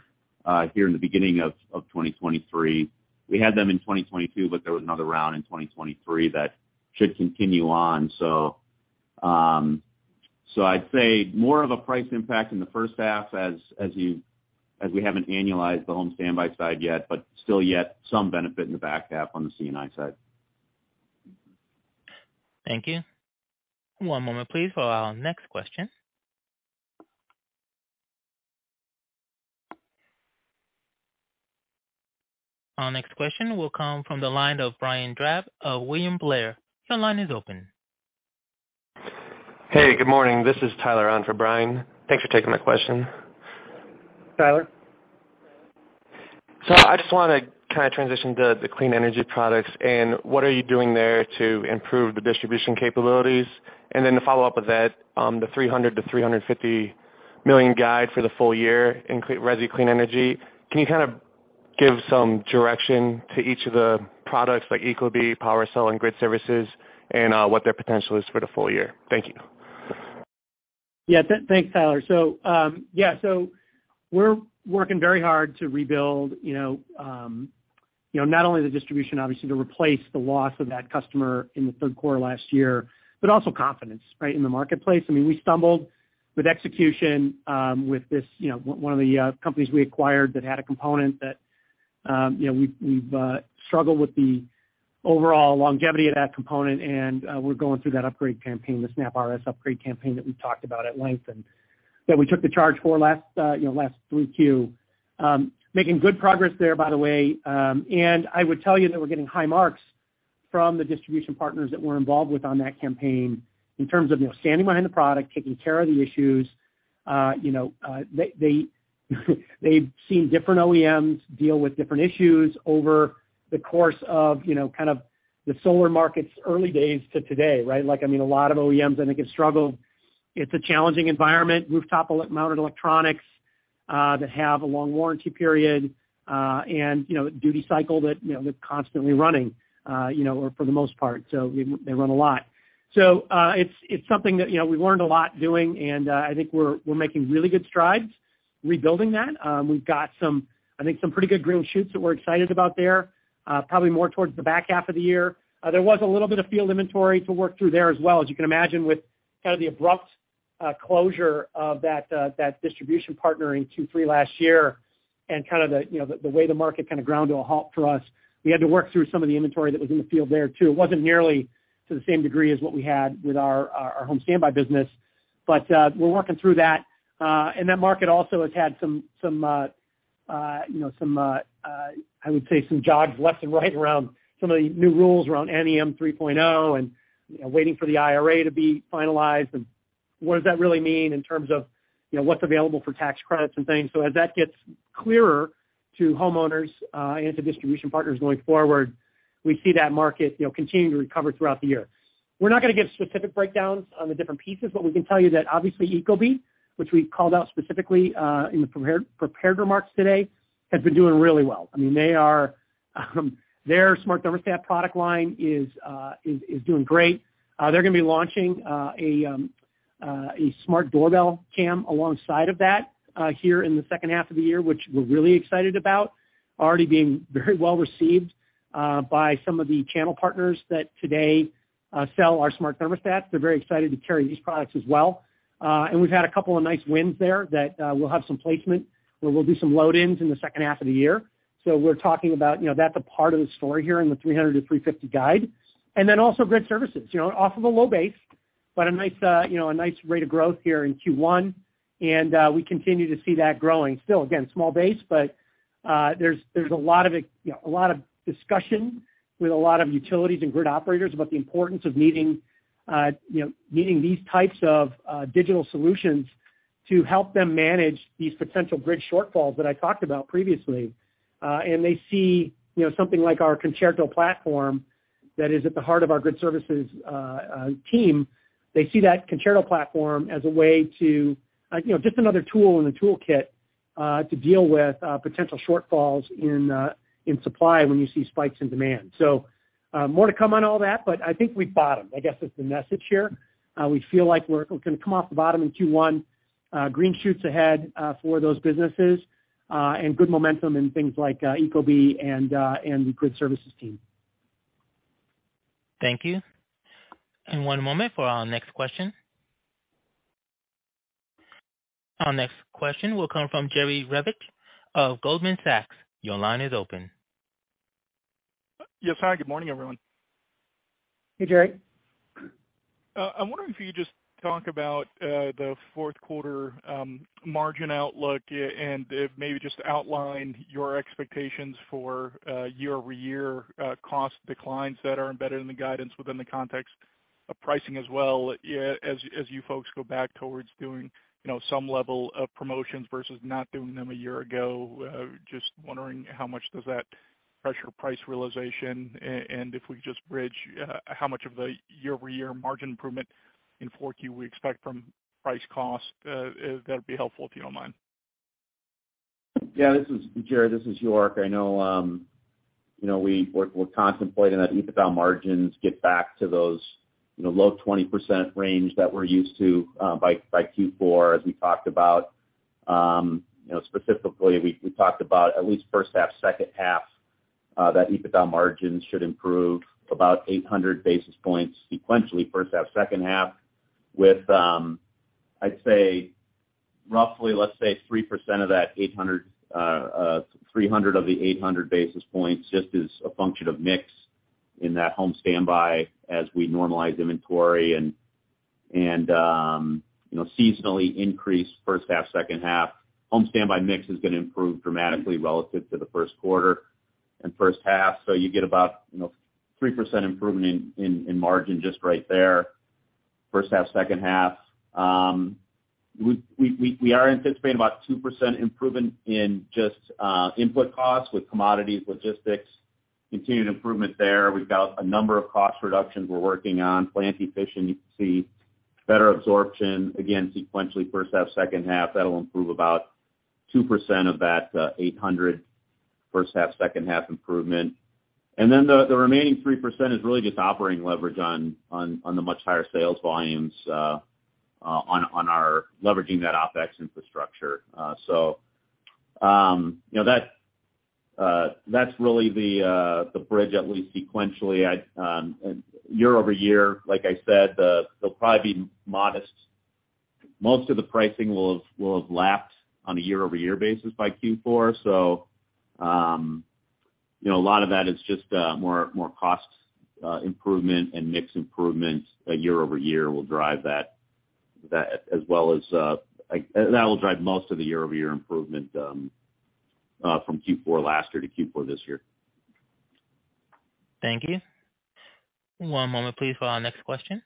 here in the beginning of 2023. We had them in 2022, but there was another round in 2023 that should continue on. I'd say more of a price impact in the first half as we haven't annualized the home standby side yet, but still yet some benefit in the back half on the C&I side. Thank you. One moment please for our next question. Our next question will come from the line of Brian Drab of William Blair. Your line is open. Hey, good morning. This is Tyler on for Brian. Thanks for taking my question. Hey, Tyler. I just wanna kind of transition to the clean energy products and what are you doing there to improve the distribution capabilities? To follow up with that, the $300 million-$350 million guide for the full year in resi clean energy. Can you kind of give some direction to each of the products like ecobee, PWRcell, and Grid Services and what their potential is for the full year? Thank you. Yeah. Thanks, Tyler. Yeah, so we're working very hard to rebuild, you know, not only the distribution obviously to replace the loss of that customer in the third quarter last year, but also confidence, right, in the marketplace. I mean, we stumbled with execution, with this, you know, one of the companies we acquired that had a component that, you know, we've struggled with the overall longevity of that component, and we're going through that upgrade campaign, the SnapRS upgrade campaign that we talked about at length, and that we took the charge for last, you know, last 3Q. Making good progress there, by the way. I would tell you that we're getting high marks from the distribution partners that we're involved with on that campaign in terms of, you know, standing behind the product, taking care of the issues. You know, they've seen different OEMs deal with different issues over the course of, you know, kind of the solar market's early days to today, right? Like, I mean, a lot of OEMs I think have struggled. It's a challenging environment, rooftop-mounted electronics that have a long warranty period, and, you know, duty cycle that, you know, they're constantly running, you know, or for the most part. They run a lot. It's something that, you know, we learned a lot doing, and I think we're making really good strides rebuilding that. We've got some, I think some pretty good green shoots that we're excited about there, probably more towards the back half of the year. There was a little bit of field inventory to work through there as well. As you can imagine with kind of the abrupt closure of that distribution partner in Q3 last year and kind of the, you know, the way the market kind of ground to a halt for us, we had to work through some of the inventory that was in the field there too. It wasn't nearly to the same degree as what we had with our home standby business, but we're working through that. That market also has had some, you know, some, I would say some jogs left and right around some of the new rules around NEM 3.0 and, you know, waiting for the IRA to be finalized. What does that really mean in terms of, you know, what's available for tax credits and things? As that gets clearer to homeowners and to distribution partners going forward, we see that market, you know, continuing to recover throughout the year. We're not gonna give specific breakdowns on the different pieces, but we can tell you that obviously ecobee, which we called out specifically in the prepared remarks today, has been doing really well. I mean, they are their smart thermostat product line is doing great. They're gonna be launching a smart doorbell cam alongside of that here in the second half of the year, which we're really excited about. Already being very well received by some of the channel partners that today sell our smart thermostats. They're very excited to carry these products as well. We've had a couple of nice wins there that we'll have some placement where we'll do some load-ins in the second half of the year. We're talking about, you know, that's a part of the story here in the $300 million-$350 million guide. Then also Grid Services. You know, off of a low base, but a nice, you know, a nice rate of growth here in Q1, and we continue to see that growing. Still, again, small base, but there's a lot of you know, a lot of discussion with a lot of utilities and grid operators about the importance of needing, you know, needing these types of digital solutions to help them manage these potential grid shortfalls that I talked about previously. They see, you know, something like our Concerto platform that is at the heart of our Grid Services team. They see that Concerto platform as a way to, you know, just another tool in the toolkit to deal with potential shortfalls in supply when you see spikes in demand. More to come on all that, but I think we've bottomed, I guess is the message here. We feel like we're gonna come off the bottom in Q1. Green shoots ahead for those businesses and good momentum in things like ecobee and the Grid Services team. Thank you. 1 moment for our next question. Our next question will come from Jerry Revich of Goldman Sachs. Your line is open. Yes. Hi, good morning, everyone. Hey, Jerry. I'm wondering if you could just talk about the fourth quarter margin outlook and if maybe just outline your expectations for year-over-year cost declines that are embedded in the guidance within the context of pricing as well, as you folks go back towards doing, you know, some level of promotions versus not doing them a year ago. Just wondering how much does that pressure price realization and if we could just bridge how much of the year-over-year margin improvement in 4Q we expect from price cost. That'd be helpful, if you don't mind. Yeah. This is Jerry, this is York. I know, you know, we're contemplating that EBITDA margins get back to those, you know, low 20% range that we're used to, by Q4, as we talked about. You know, specifically we talked about at least first half, second half, that EBITDA margins should improve about 800 basis points sequentially first half, second half with, I'd say roughly, let's say 3% of that 800, 300 of the 800 basis points just as a function of mix in that home standby as we normalize inventory and Seasonally increased first half, second half. home standby mix is gonna improve dramatically relative to the first quarter and first half. You get about 3% improvement in margin just right there, first half, second half. We are anticipating about 2% improvement in just input costs with commodities, logistics, continued improvement there. We've got a number of cost reductions we're working on, plant efficiency, better absorption. Again, sequentially, first half, second half, that'll improve about 2% of that 800 first half, second half improvement. The remaining 3% is really just operating leverage on the much higher sales volumes, on our leveraging that OpEx infrastructure. That's really the bridge, at least sequentially. Year-over-year, like I said, they'll probably be modest. Most of the pricing will have lapsed on a year-over-year basis by Q4. You know, a lot of that is just more cost improvement and mix improvement year-over-year will drive that as well as. That will drive most of the year-over-year improvement from Q4 last year to Q4 this year. Thank you. One moment please for our next question.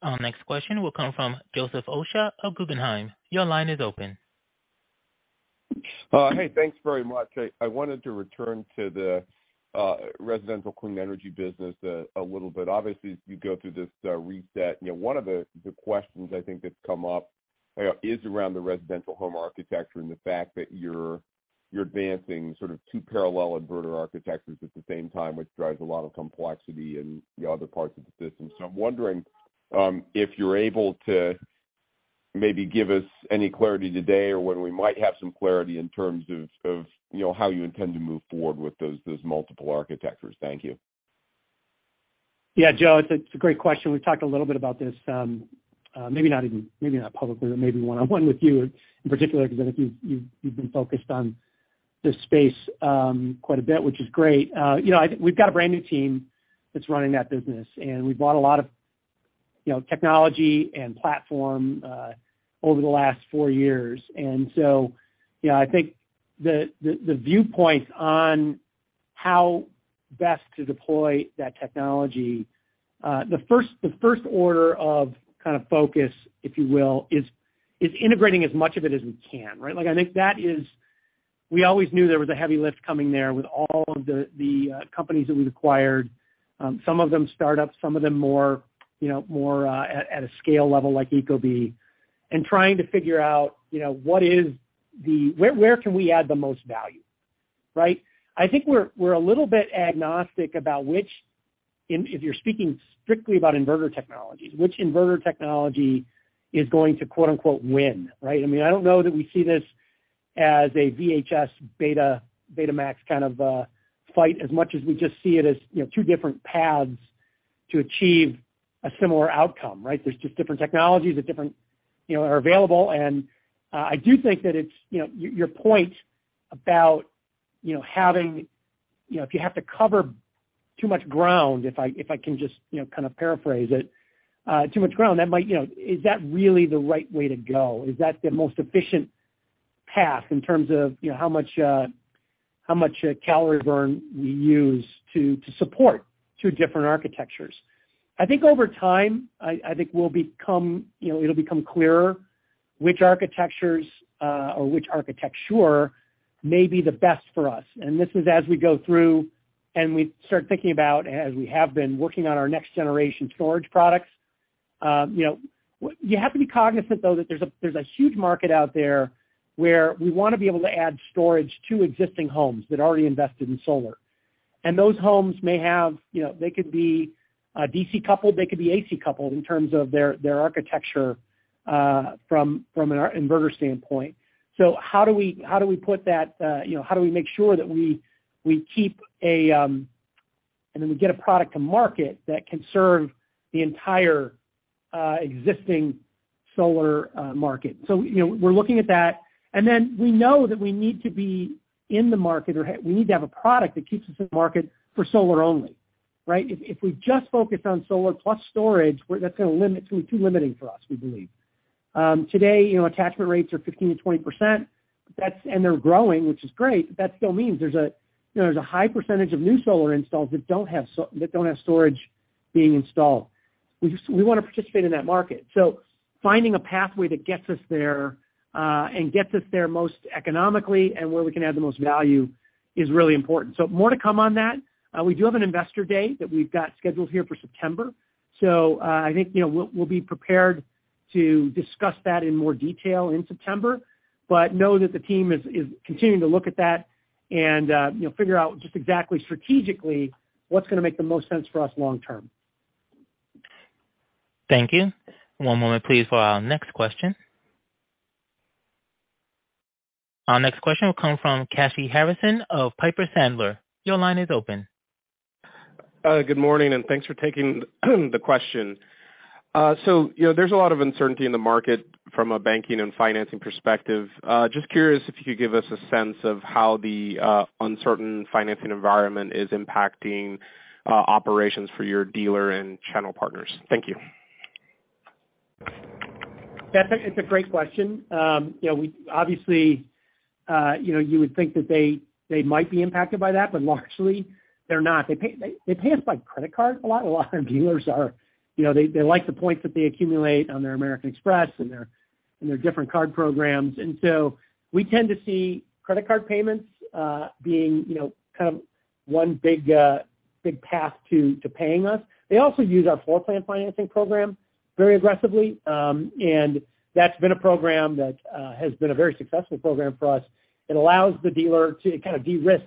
Our next question will come from Joseph Osha of Guggenheim. Your line is open. Hey, thanks very much. I wanted to return to the residential clean energy business a little bit. Obviously, as you go through this reset, you know, one of the questions I think that's come up is around the residential home architecture and the fact that you're advancing sort of two parallel inverter architectures at the same time, which drives a lot of complexity in the other parts of the system. I'm wondering if you're able to maybe give us any clarity today or when we might have some clarity in terms of, you know, how you intend to move forward with those multiple architectures. Thank you. Yeah, Joe, it's a great question. We've talked a little bit about this, maybe not even, maybe not publicly, but maybe one-on-one with you in particular, because I know you've been focused on this space, quite a bit, which is great. You know, I think we've got a brand new team that's running that business, and we've bought a lot of, you know, technology and platform, over the last four years. You know, I think the viewpoint on how best to deploy that technology, the first order of kind of focus, if you will, is integrating as much of it as we can, right? Like, I think that is we always knew there was a heavy lift coming there with all of the companies that we've acquired. Some of them startups, some of them more, you know, more at a scale level like ecobee, and trying to figure out, you know, where can we add the most value, right? I think we're a little bit agnostic about which if you're speaking strictly about inverter technologies, which inverter technology is going to quote unquote "win," right? I mean, I don't know that we see this as a VHS Beta, Betamax kind of fight as much as we just see it as, you know, two different paths to achieve a similar outcome, right? There's just different technologies at different, you know, are available. I do think that it's, you know, your point about, you know, having, you know, if I can just, you know, kind of paraphrase it, too much ground, that might, you know, Is that really the right way to go? Is that the most efficient path in terms of, you know, how much calorie burn we use to support two different architectures? I think over time, I think we'll become, you know, it'll become clearer which architectures, or which architecture may be the best for us. This is as we go through and we start thinking about, as we have been working on our next generation storage products. you know, you have to be cognizant, though, that there's a huge market out there where we wanna be able to add storage to existing homes that already invested in solar. Those homes may have, you know, they could be DC-coupled, they could be AC-coupled in terms of their architecture from an inverter standpoint. How do we put that, you know, how do we make sure that we keep a product to market that can serve the entire existing solar market? you know, we're looking at that. We know that we need to be in the market, or we need to have a product that keeps us in the market for solar only, right? If we just focus on solar plus storage, that's gonna limit too limiting for us, we believe. Today, you know, attachment rates are 15%-20%. They're growing, which is great, but that still means there's a, you know, there's a high percentage of new solar installs that don't have storage being installed. We just wanna participate in that market. Finding a pathway that gets us there and gets us there most economically and where we can add the most value is really important. More to come on that. We do have an investor day that we've got scheduled here for September. I think, you know, we'll be prepared to discuss that in more detail in September. Know that the team is continuing to look at that and, you know, figure out just exactly strategically what's gonna make the most sense for us long term. Thank you. One moment please for our next question. Our next question will come from Kashy Harrison of Piper Sandler. Your line is open. Good morning, thanks for taking the question. You know, there's a lot of uncertainty in the market from a banking and financing perspective. Just curious if you could give us a sense of how the uncertain financing environment is impacting operations for your dealer and channel partners. Thank you. That's a great question. you know, we obviously, you know, you would think that they might be impacted by that, but largely they're not. They pay, they pay us by credit card a lot, a lot of our dealers are, you know, they like the points that they accumulate on their American Express and their, and their different card programs. We tend to see credit card payments, being, you know, kind of one big, big path to paying us. They also use our floor plan financing program very aggressively. That's been a program that has been a very successful program for us. It allows the dealer to kind of de-risk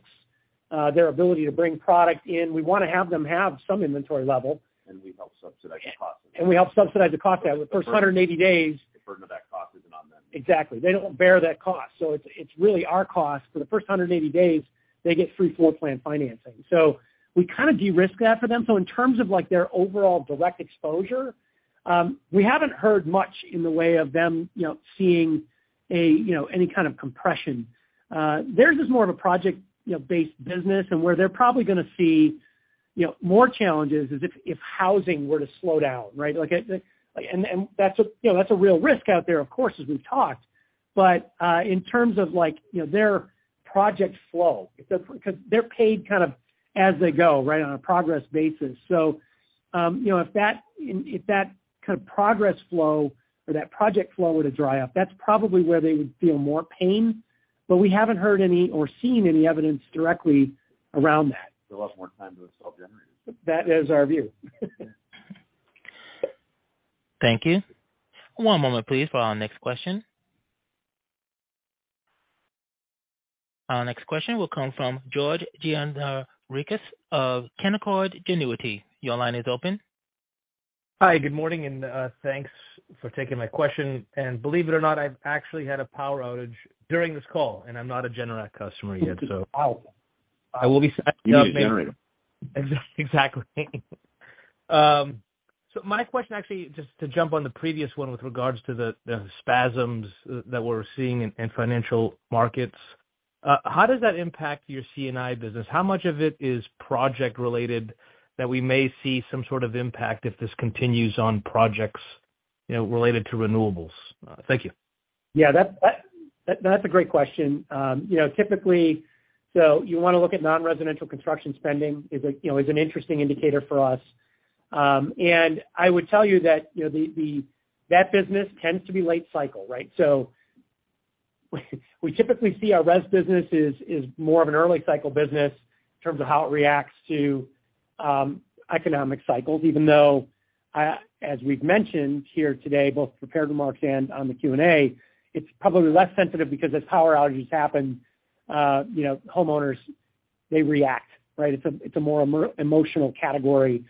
their ability to bring product in. We wanna have them have some inventory level. We help subsidize the cost of that. We help subsidize the cost of that. The first 180 days. The burden of that cost isn't on them. Exactly. They don't bear that cost. It's, it's really our cost. For the first 180 days, they get free floor plan financing. We kind of de-risk that for them. In terms of like their overall direct exposure, we haven't heard much in the way of them, you know, seeing a, you know, any kind of compression. Theirs is more of a project, you know, based business and where they're probably gonna see, you know, more challenges is if housing were to slow down, right? That's a, you know, that's a real risk out there, of course, as we've talked. In terms of like, you know, their project flow, because they're paid kind of as they go, right, on a progress basis. You know, if that, if that kind of progress flow or that project flow were to dry up, that's probably where they would feel more pain. We haven't heard any or seen any evidence directly around that. There's a lot more time to install generators. That is our view. Thank you. One moment please for our next question. Our next question will come from George Gianarikas of Canaccord Genuity. Your line is open. Hi, good morning, and thanks for taking my question. Believe it or not, I've actually had a power outage during this call, and I'm not a Generac customer yet, so I will be signing up maybe. You need a generator. Exactly. My question actually, just to jump on the previous one with regards to the spasms that we're seeing in financial markets, how does that impact your C&I business? How much of it is project related that we may see some sort of impact if this continues on projects, you know, related to renewables? Thank you. Yeah, that's a great question. You know, you want to look at non-residential construction spending is a, you know, is an interesting indicator for us. I would tell you that, you know, that business tends to be late cycle, right? We typically see our res business is more of an early cycle business in terms of how it reacts to economic cycles, even though as we've mentioned here today, both prepared remarks and on the Q&A, it's probably less sensitive because as power outages happen, you know, homeowners, they react, right? It's a more emotional category.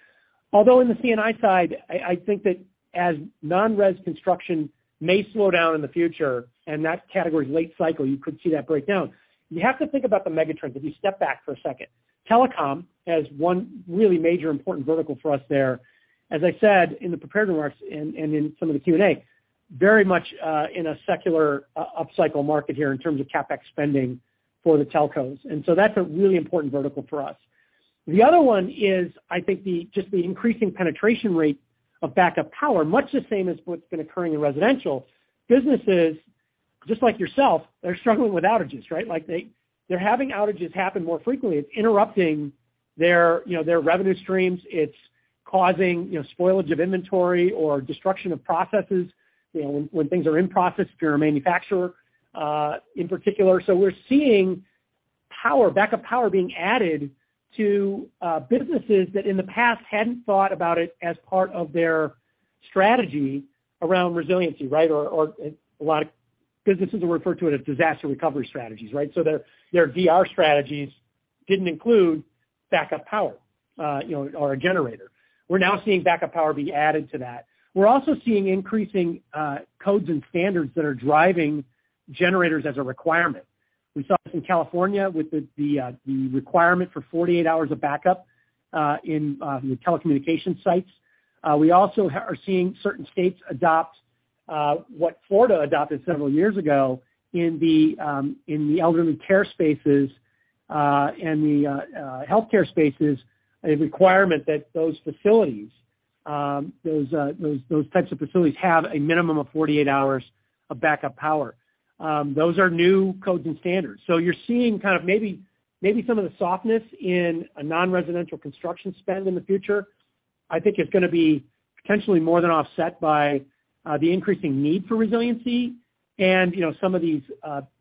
In the C&I side, I think that as non-res construction may slow down in the future and that category is late cycle, you could see that break down. You have to think about the mega trends. If you step back for a second. Telecom has one really major important vertical for us there. As I said in the prepared remarks and in some of the Q&A, very much in a secular upcycle market here in terms of CapEx spending for the telcos. That's a really important vertical for us. The other one is, I think just the increasing penetration rate of backup power, much the same as what's been occurring in residential. Businesses, just like yourself, they're struggling with outages, right? Like they're having outages happen more frequently. It's interrupting their, you know, their revenue streams. It's causing, you know, spoilage of inventory or destruction of processes, you know, when things are in process if you're a manufacturer in particular. We're seeing backup power being added to businesses that in the past hadn't thought about it as part of their strategy around resiliency, right? Or a lot of businesses refer to it as disaster recovery strategies, right? Their, their DR strategies didn't include backup power, you know, or a generator. We're now seeing backup power be added to that. We're also seeing increasing codes and standards that are driving generators as a requirement. We saw this in California with the requirement for 48 hours of backup, in the telecommunication sites. We also are seeing certain states adopt what Florida adopted several years ago in the elderly care spaces and the healthcare spaces, a requirement that those facilities, those types of facilities have a minimum of 48 hours of backup power. Those are new codes and standards. You're seeing kind of maybe some of the softness in a non-residential construction spend in the future. I think it's gonna be potentially more than offset by the increasing need for resiliency and, you know, some of these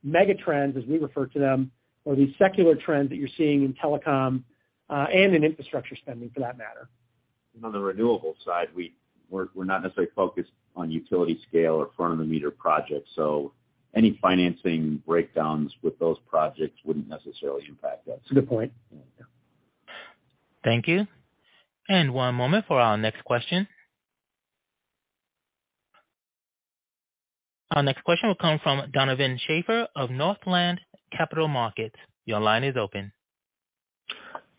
mega trends, as we refer to them, or these secular trends that you're seeing in telecom and in infrastructure spending for that matter. On the renewable side, we're not necessarily focused on utility scale or front of the meter projects, so any financing breakdowns with those projects wouldn't necessarily impact us. Good point. Yeah. Thank you. One moment for our next question. Our next question will come from Donovan Schafer of Northland Capital Markets. Your line is open.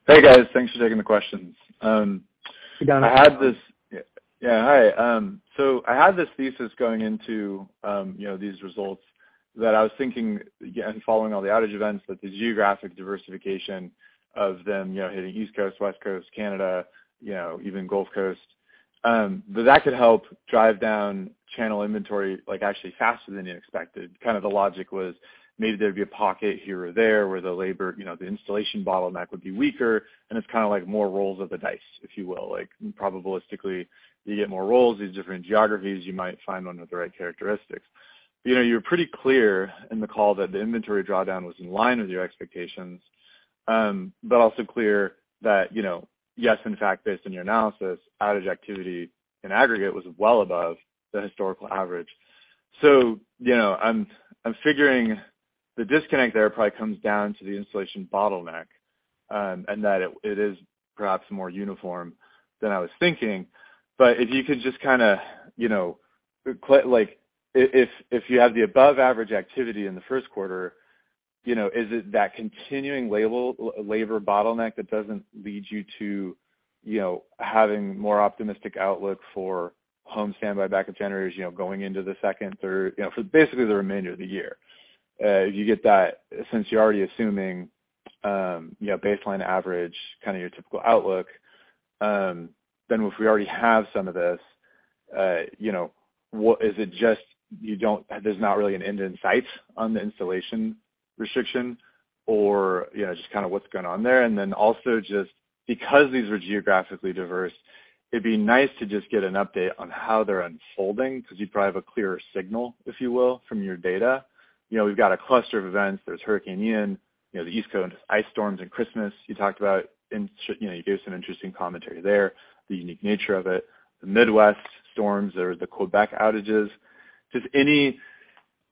Hey, guys. Thanks for taking the questions. I had this. Yeah, hi. I had this thesis going into, you know, these results that I was thinking, again, following all the outage events with the geographic diversification of them, you know, hitting East Coast, West Coast, Canada, you know, even Gulf Coast, that could help drive down channel inventory, like, actually faster than you expected. Kinda the logic was maybe there'd be a pocket here or there where the labor, you know, the installation bottleneck would be weaker, and it's kinda like more rolls of the dice, if you will. Like, probabilistically, you get more rolls, these different geographies you might find one with the right characteristics. You know, you were pretty clear in the call that the inventory drawdown was in line with your expectations, also clear that, you know, yes, in fact, based on your analysis, outage activity in aggregate was well above the historical average. I'm figuring the disconnect there probably comes down to the installation bottleneck, and that it is perhaps more uniform than I was thinking. If you could just kinda, you know, like if you have the above average activity in the first quarter, you know, is it that continuing labor bottleneck that doesn't lead you to, you know, having more optimistic outlook for home standby backup generators, you know, going into the second, third, you know, for basically the remainder of the year? If you get that, since you're already assuming, you know, baseline average, kinda your typical outlook, then if we already have some of this, you know, there's not really an end in sight on the installation restriction or, you know, just kinda what's going on there? Just because these are geographically diverse, it'd be nice to just get an update on how they're unfolding because you probably have a clearer signal, if you will, from your data. You know, we've got a cluster of events. There's Hurricane Ian, you know, the East Coast ice storms in Christmas you talked about, and, you know, you gave some interesting commentary there, the unique nature of it, the Midwest storms or the Quebec outages.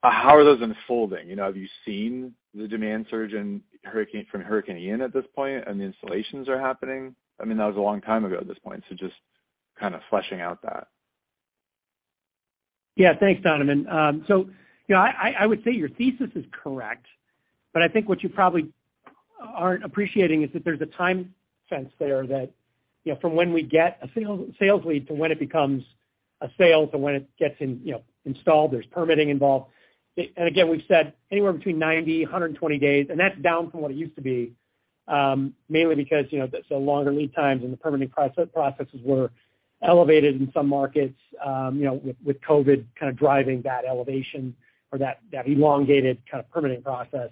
How are those unfolding? You know, have you seen the demand surge from Hurricane Ian at this point, and the installations are happening? I mean, that was a long time ago at this point, so just kinda fleshing out that. Yeah. Thanks, Donovan. You know, I would say your thesis is correct, but I think what you probably aren't appreciating is that there's a time sense there that, you know, from when we get a sales lead to when it becomes a sale to when it gets in, you know, installed, there's permitting involved. And again, we've said anywhere between 90, 120 days, and that's down from what it used to be, mainly because, you know, longer lead times and the permitting processes were elevated in some markets, you know, with COVID kind of driving that elevation or that elongated kind of permitting process.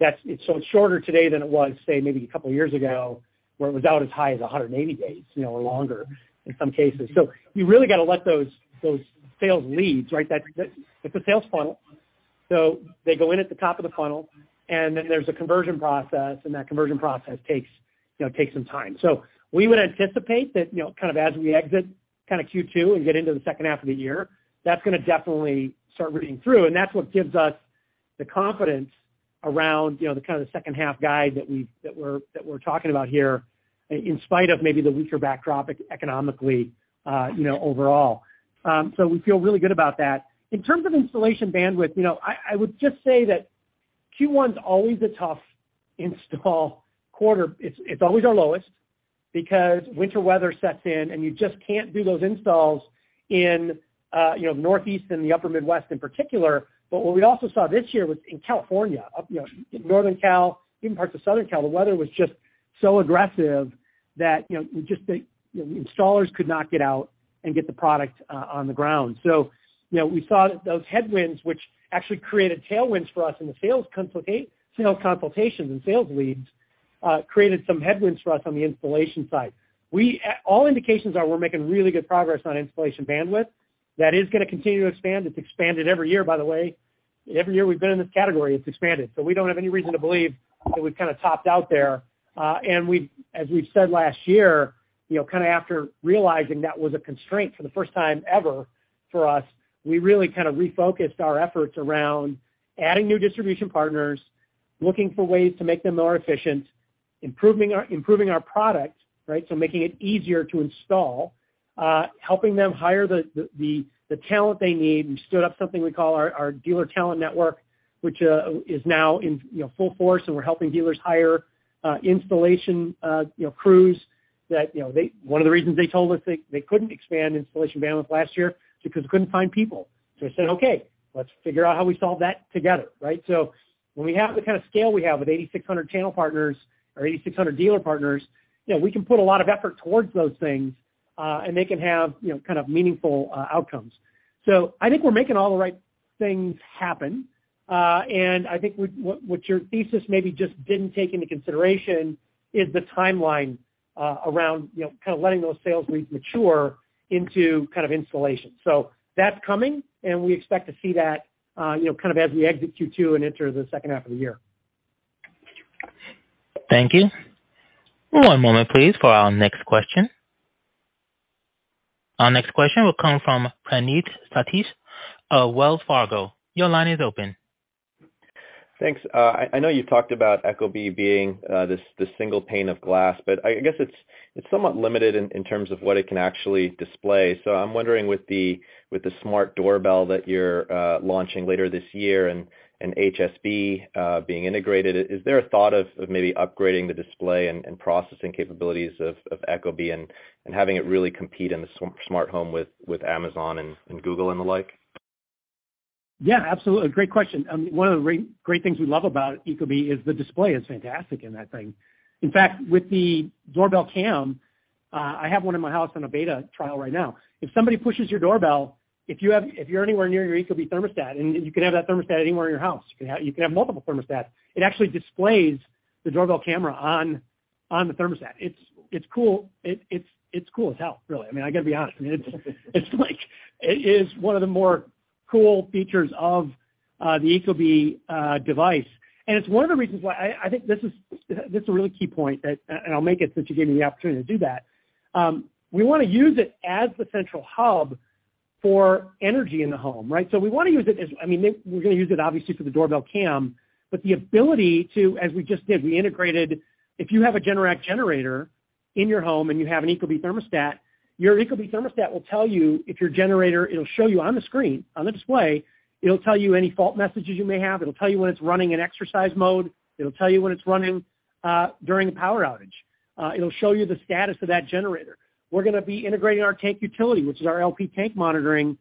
It's shorter today than it was, say, maybe a couple years ago, where it was out as high as 180 days, you know, or longer in some cases. You really gotta let those sales leads, right? It's a sales funnel. They go in at the top of the funnel, and then there's a conversion process, and that conversion process takes some time. We would anticipate that, you know, kind of as we exit kinda Q2 and get into the second half of the year, that's gonna definitely start reading through, and that's what gives us the confidence around, you know, the kinda the second half guide that we're talking about here in spite of maybe the weaker backdrop economically, you know, overall. We feel really good about that. In terms of installation bandwidth, you know, I would just say that Q1's always a tough install quarter. It's always our lowest because winter weather sets in, and you just can't do those installs in, you know, Northeast and the upper Midwest in particular. What we also saw this year was in California, up, you know, in Northern Cal, even parts of Southern Cal, the weather was just so aggressive that, you know, just the, you know, installers could not get out and get the product on the ground. You know, we saw those headwinds, which actually created tailwinds for us in the sales consultations and sales leads, created some headwinds for us on the installation side. We all indications are we're making really good progress on installation bandwidth. That is gonna continue to expand. It's expanded every year, by the way. Every year we've been in this category, it's expanded. We don't have any reason to believe that we've kinda topped out there. We've, as we've said last year, you know, kinda after realizing that was a constraint for the first time ever for us, we really kinda refocused our efforts around adding new distribution partners, looking for ways to make them more efficient, improving our, improving our product, right? Making it easier to install, helping them hire the talent they need. We stood up something we call our Dealer Talent Network, which is now in, you know, full force, and we're helping dealers hire installation, you know, crews that, you know, One of the reasons they told us they couldn't expand installation bandwidth last year because they couldn't find people. I said, "Okay, let's figure out how we solve that together," right? When we have the kinda scale we have with 8,600 channel partners or 8,600 dealer partners, you know, we can put a lot of effort towards those things, and they can have, you know, kind of meaningful outcomes. I think we're making all the right things happen, and I think what your thesis maybe just didn't take into consideration is the timeline, around, you know, kinda letting those sales leads mature into kind of installation. That's coming, and we expect to see that, you know, kind of as we exit Q2 and enter the second half of the year. Thank you. One moment please for our next question. Our next question will come from Praneeth Satish of Wells Fargo. Your line is open. I know you've talked about ecobee being this Single Pane of Glass, but I guess it's somewhat limited in terms of what it can actually display. So I'm wondering with the smart doorbell that you're launching later this year and HSB being integrated, is there a thought of maybe upgrading the display and processing capabilities of ecobee and having it really compete in the smart home with Amazon and Google and the like? Yeah, absolutely. Great question. One of the great things we love about ecobee is the display is fantastic in that thing. In fact, with the doorbell cam, I have one in my house on a beta trial right now. If somebody pushes your doorbell, if you're anywhere near your ecobee thermostat, and you can have that thermostat anywhere in your house, you can have multiple thermostats, it actually displays the doorbell camera on the thermostat. It's, it's cool. It's cool as hell, really. I mean, I gotta be honest. I mean, it's like it is one of the more cool features of the ecobee device. It's one of the reasons why I think this is a really key point that and I'll make it since you gave me the opportunity to do that. We wanna use it as the central hub for energy in the home, right? We wanna use it as I mean, we're gonna use it obviously for the doorbell cam, but the ability to, as we just did, we integrated-- If you have a Generac generator in your home and you have an ecobee thermostat, your ecobee thermostat will tell you if your generator it'll show you on the screen, on the display, it'll tell you any fault messages you may have, it'll tell you when it's running in exercise mode, it'll tell you when it's running during a power outage. It'll show you the status of that generator. We're gonna be integrating our Tank Utility, which is our LP tank monitoring,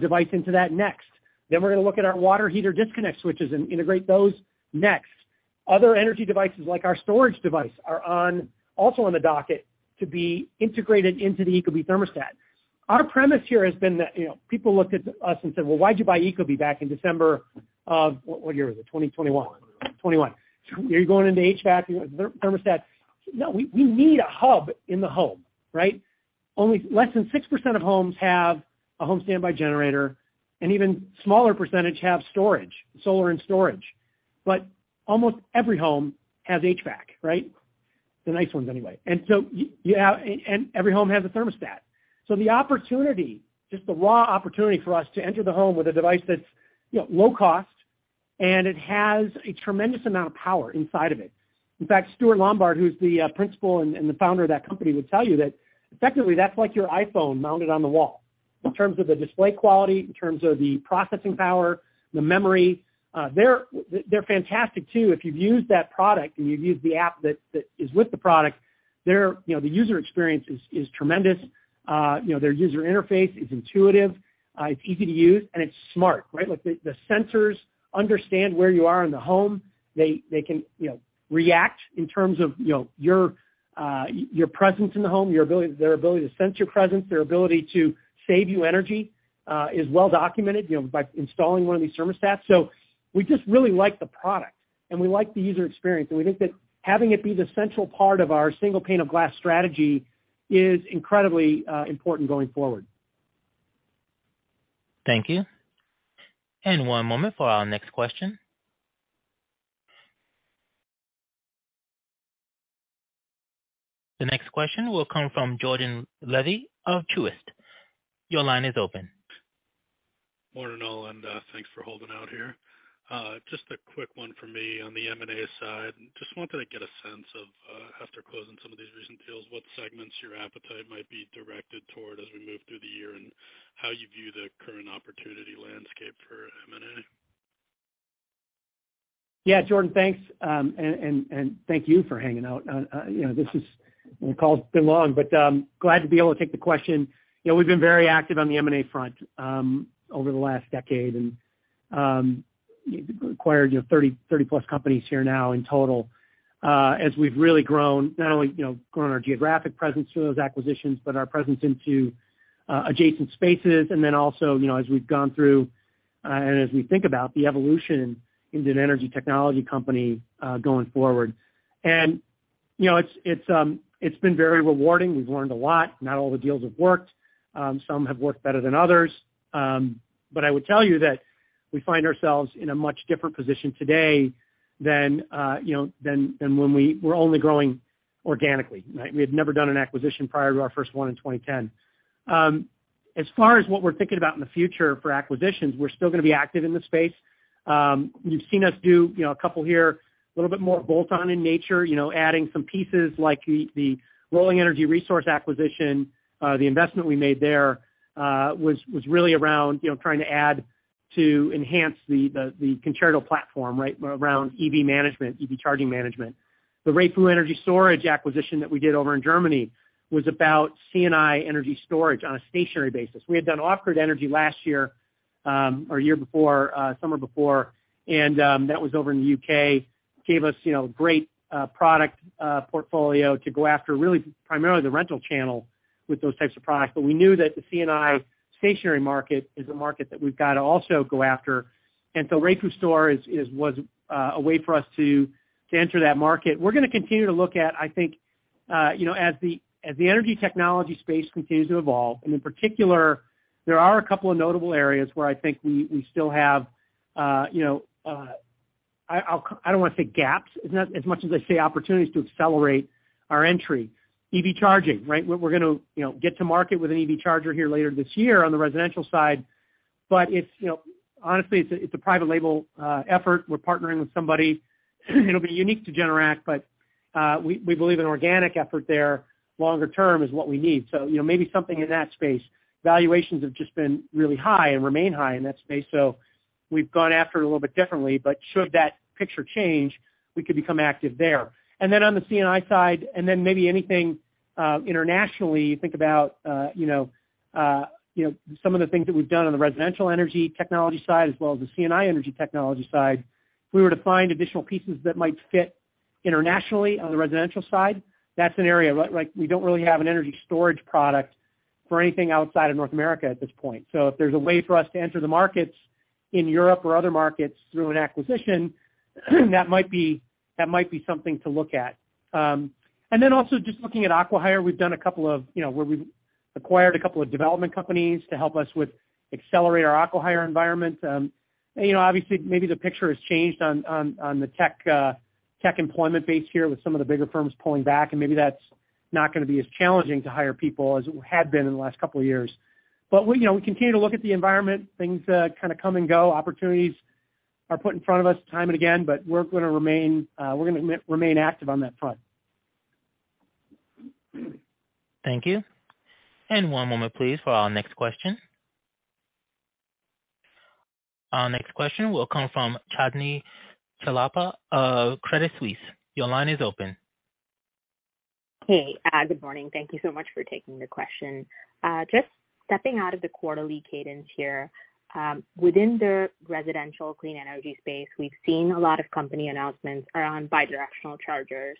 device into that next. Then we're gonna look at our water heater disconnect switches and integrate those next. Other energy devices, like our storage device, also on the docket to be integrated into the ecobee thermostat. Our premise here has been that, you know, people looked at us and said, "Well, why'd you buy ecobee back in December of--" What, what year was it? 2021. 2021. 2021. "Are you going into HVAC, thermostats?" No. We need a hub in the home, right? Only less than 6% of homes have a home standby generator, and even smaller percentage have storage, solar and storage. You have and every home has a thermostat. The opportunity, just the raw opportunity for us to enter the home with a device that's, you know, low cost and it has a tremendous amount of power inside of it. In fact, Stuart Lombard, who's the principal and the founder of that company, would tell you that effectively that's like your iPhone mounted on the wall in terms of the display quality, in terms of the processing power, the memory. They're fantastic too. If you've used that product and you've used the app that is with the product, you know, the user experience is tremendous. You know, their user interface is intuitive, it's easy to use, and it's smart, right. Like the sensors understand where you are in the home. They can, you know, react in terms of, you know, your presence in the home, their ability to sense your presence, their ability to save you energy, is well documented, you know, by installing one of these thermostats. We just really like the product, and we like the user experience, and we think that having it be the central part of our Single Pane of Glass strategy is incredibly important going forward. Thank you. One moment for our next question. The next question will come from Jordan Levy of Truist. Your line is open. Morning, all, thanks for holding out here. Just a quick one for me on the M&A side. Just wanted to get a sense of after closing some of these recent deals, what segments your appetite might be directed toward as we move through the year and how you view the current opportunity landscape for M&A. Yeah, Jordan, thanks. Thank you for hanging out. You know, the call's been long, but glad to be able to take the question. You know, we've been very active on the M&A front, over the last decade and acquired, you know, 30+ companies here now in total, as we've really grown, not only, you know, grown our geographic presence through those acquisitions, but our presence into adjacent spaces and then also, you know, as we've gone through, and as we think about the evolution into an energy technology company, going forward. You know, it's been very rewarding. We've learned a lot. Not all the deals have worked. Some have worked better than others. I would tell you that we find ourselves in a much different position today than, you know, when we were only growing organically, right? We had never done an acquisition prior to our first one in 2010. As far as what we're thinking about in the future for acquisitions, we're still gonna be active in the space. You've seen us do, you know, a couple here, a little bit more bolt-on in nature, you know, adding some pieces like the Rolling Energy Resources acquisition. The investment we made there was really around, you know, trying to add to enhance the Concerto platform, right, around EV management, EV charging management. The REFU Storage Systems acquisition that we did over in Germany was about C&I energy storage on a stationary basis. We had done Off Grid Energy last year, or year before, summer before, and that was over in the U.K. Gave us, you know, great product portfolio to go after really primarily the rental channel with those types of products. We knew that the C&I stationary market is a market that we've got to also go after. So REFUstor was a way for us to enter that market. We're gonna continue to look at, I think, you know, as the energy technology space continues to evolve, and in particular, there are a couple of notable areas where I think we still have, you know, I don't wanna say gaps as much as I say opportunities to accelerate our entry. EV charging, right? We're gonna, you know, get to market with an EV charger here later this year on the residential side. It's, you know, honestly, it's a private label effort. We're partnering with somebody. It'll be unique to Generac, but we believe an organic effort there longer term is what we need. You know, maybe something in that space. Valuations have just been really high and remain high in that space, so we've gone after it a little bit differently. Should that picture change, we could become active there. On the C&I side, maybe anything internationally, you think about, you know, you know, some of the things that we've done on the residential energy technology side as well as the C&I energy technology side. If we were to find additional pieces that might fit internationally on the residential side, that's an area. Like, we don't really have an energy storage product for anything outside of North America at this point. If there's a way for us to enter the markets in Europe or other markets through an acquisition, that might be something to look at. Then also just looking at Acquire, we've done a couple of, you know, where we've acquired a couple of development companies to help us with accelerate our Acquire environment. You know, obviously maybe the picture has changed on the tech employment base here with some of the bigger firms pulling back, maybe that's not gonna be as challenging to hire people as it had been in the last couple of years. We, you know, we continue to look at the environment. Things, kinda come and go. Opportunities are put in front of us time and again, but we're gonna remain active on that front. Thank you. One moment please for our next question. Our next question will come from Chandni Chellappa of Credit Suisse. Your line is open. Hey, good morning. Thank you so much for taking the question. Just stepping out of the quarterly cadence here. Within the residential clean energy space, we've seen a lot of company announcements around bidirectional chargers.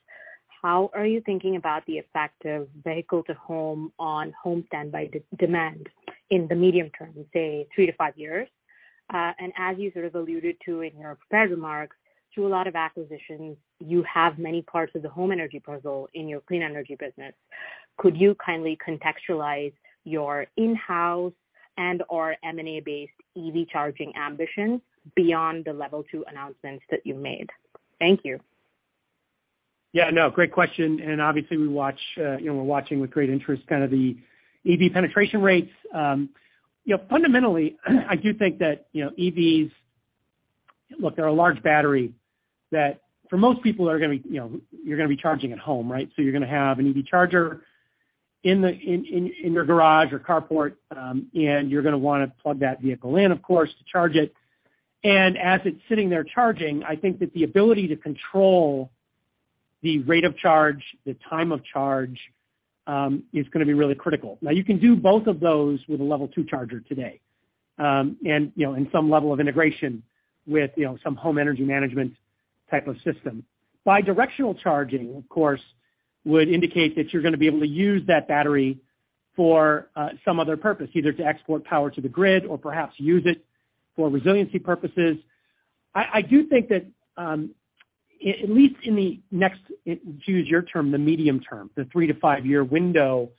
How are you thinking about the effect of vehicle-to-home on home standby demand in the medium term, say three-five years? As you sort of alluded to in your prepared remarks, through a lot of acquisitions, you have many parts of the home energy puzzle in your clean energy business. Could you kindly contextualize your in-house and/or M&A-based EV charging ambitions beyond the Level 2 announcements that you made? Thank you. Yeah, no, great question. Obviously we watch, you know, we're watching with great interest kind of the EV penetration rates. You know, fundamentally, I do think that, you know, EVs. Look, they're a large battery that for most people are gonna be, you know, you're gonna be charging at home, right? You're gonna have an EV charger in your garage or carport, and you're gonna wanna plug that vehicle in, of course, to charge it. As it's sitting there charging, I think that the ability to control the rate of charge, the time of charge, is gonna be really critical. Now, you can do both of those with a level two charger today. You know, in some level of integration with, you know, some home energy management type of system. bidirectional charging, of course, would indicate that you're gonna be able to use that battery for some other purpose, either to export power to the grid or perhaps use it for resiliency purposes. I do think that at least in the next, to use your term, the medium term, the three-five year window,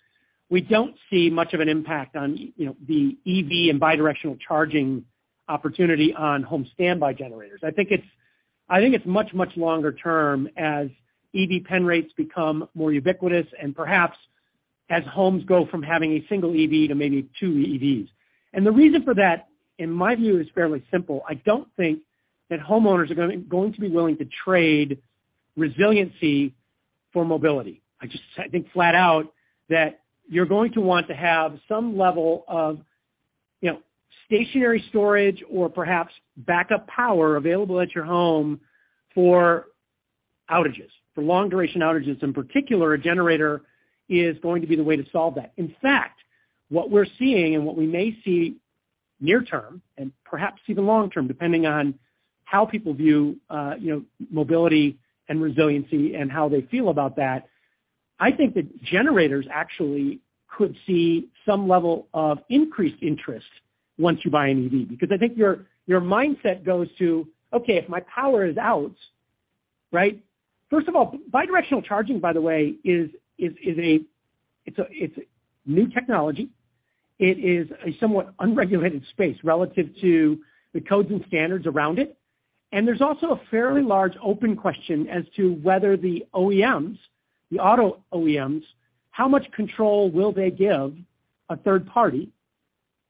we don't see much of an impact on, you know, the EV and bidirectional charging opportunity on home standby generators. I think it's much, much longer term as EV pen rates become more ubiquitous and perhaps as homes go from having a single EV to maybe two EVs. And the reason for that, in my view, is fairly simple. I don't think that homeowners are going to be willing to trade resiliency for mobility. I just think flat out that you're going to want to have some level of, you know, stationary storage or perhaps backup power available at your home for outages. For long-duration outages in particular, a generator is going to be the way to solve that. In fact, what we're seeing and what we may see near term, and perhaps even long term, depending on how people view, you know, mobility and resiliency and how they feel about that, I think that generators actually could see some level of increased interest once you buy an EV. Because I think your mindset goes to, okay, if my power is out, right? First of all, bidirectional charging, by the way, is a, it's new technology. It is a somewhat unregulated space relative to the codes and standards around it. There's also a fairly large open question as to whether the OEMs, the auto OEMs, how much control will they give a third party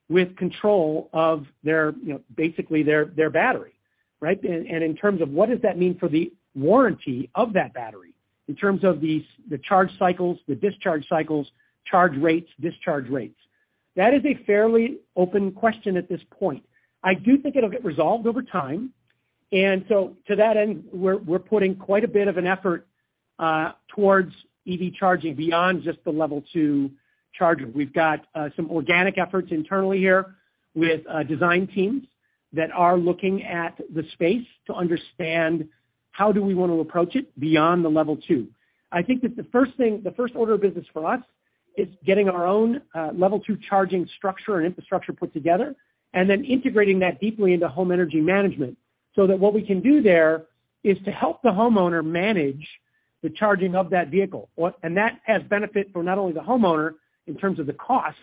with control of their, you know, basically their battery, right? In terms of what does that mean for the warranty of that battery in terms of the charge cycles, the discharge cycles, charge rates, discharge rates. That is a fairly open question at this point. I do think it'll get resolved over time. To that end, we're putting quite a bit of an effort towards EV charging beyond just the Level 2 charger. We've got some organic efforts internally here with design teams that are looking at the space to understand how do we wanna approach it beyond the Level 2. I think that the first thing, the first order of business for us is getting our own, Level 2 charging structure and infrastructure put together, and then integrating that deeply into home energy management, so that what we can do there is to help the homeowner manage the charging of that vehicle. That has benefit for not only the homeowner in terms of the cost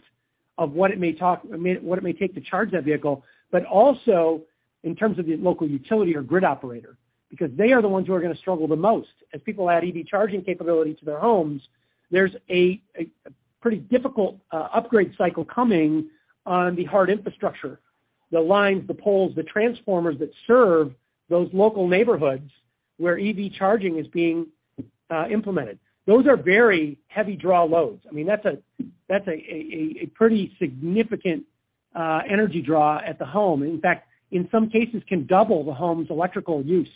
of what it may take to charge that vehicle, but also in terms of the local utility or grid operator, because they are the ones who are gonna struggle the most. As people add EV charging capability to their homes, there's a pretty difficult upgrade cycle coming on the hard infrastructure, the lines, the poles, the transformers that serve those local neighborhoods where EV charging is being implemented. Those are very heavy draw loads. I mean, that's a pretty significant energy draw at the home. In fact, in some cases can double the home's electrical use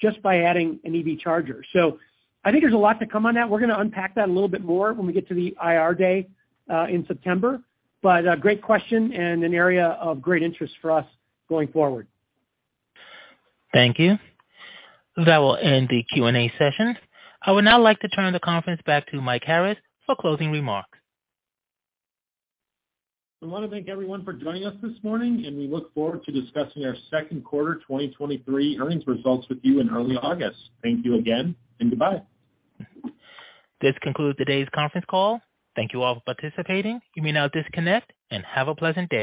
just by adding an EV charger. I think there's a lot to come on that. We're gonna unpack that a little bit more when we get to the IR day in September. Great question and an area of great interest for us going forward. Thank you. That will end the Q&A session. I would now like to turn the conference back to Mike Harris for closing remarks. I wanna thank everyone for joining us this morning. We look forward to discussing our second quarter 2023 earnings results with you in early August. Thank you again and goodbye. This concludes today's conference call. Thank you all for participating. You may now disconnect and have a pleasant day.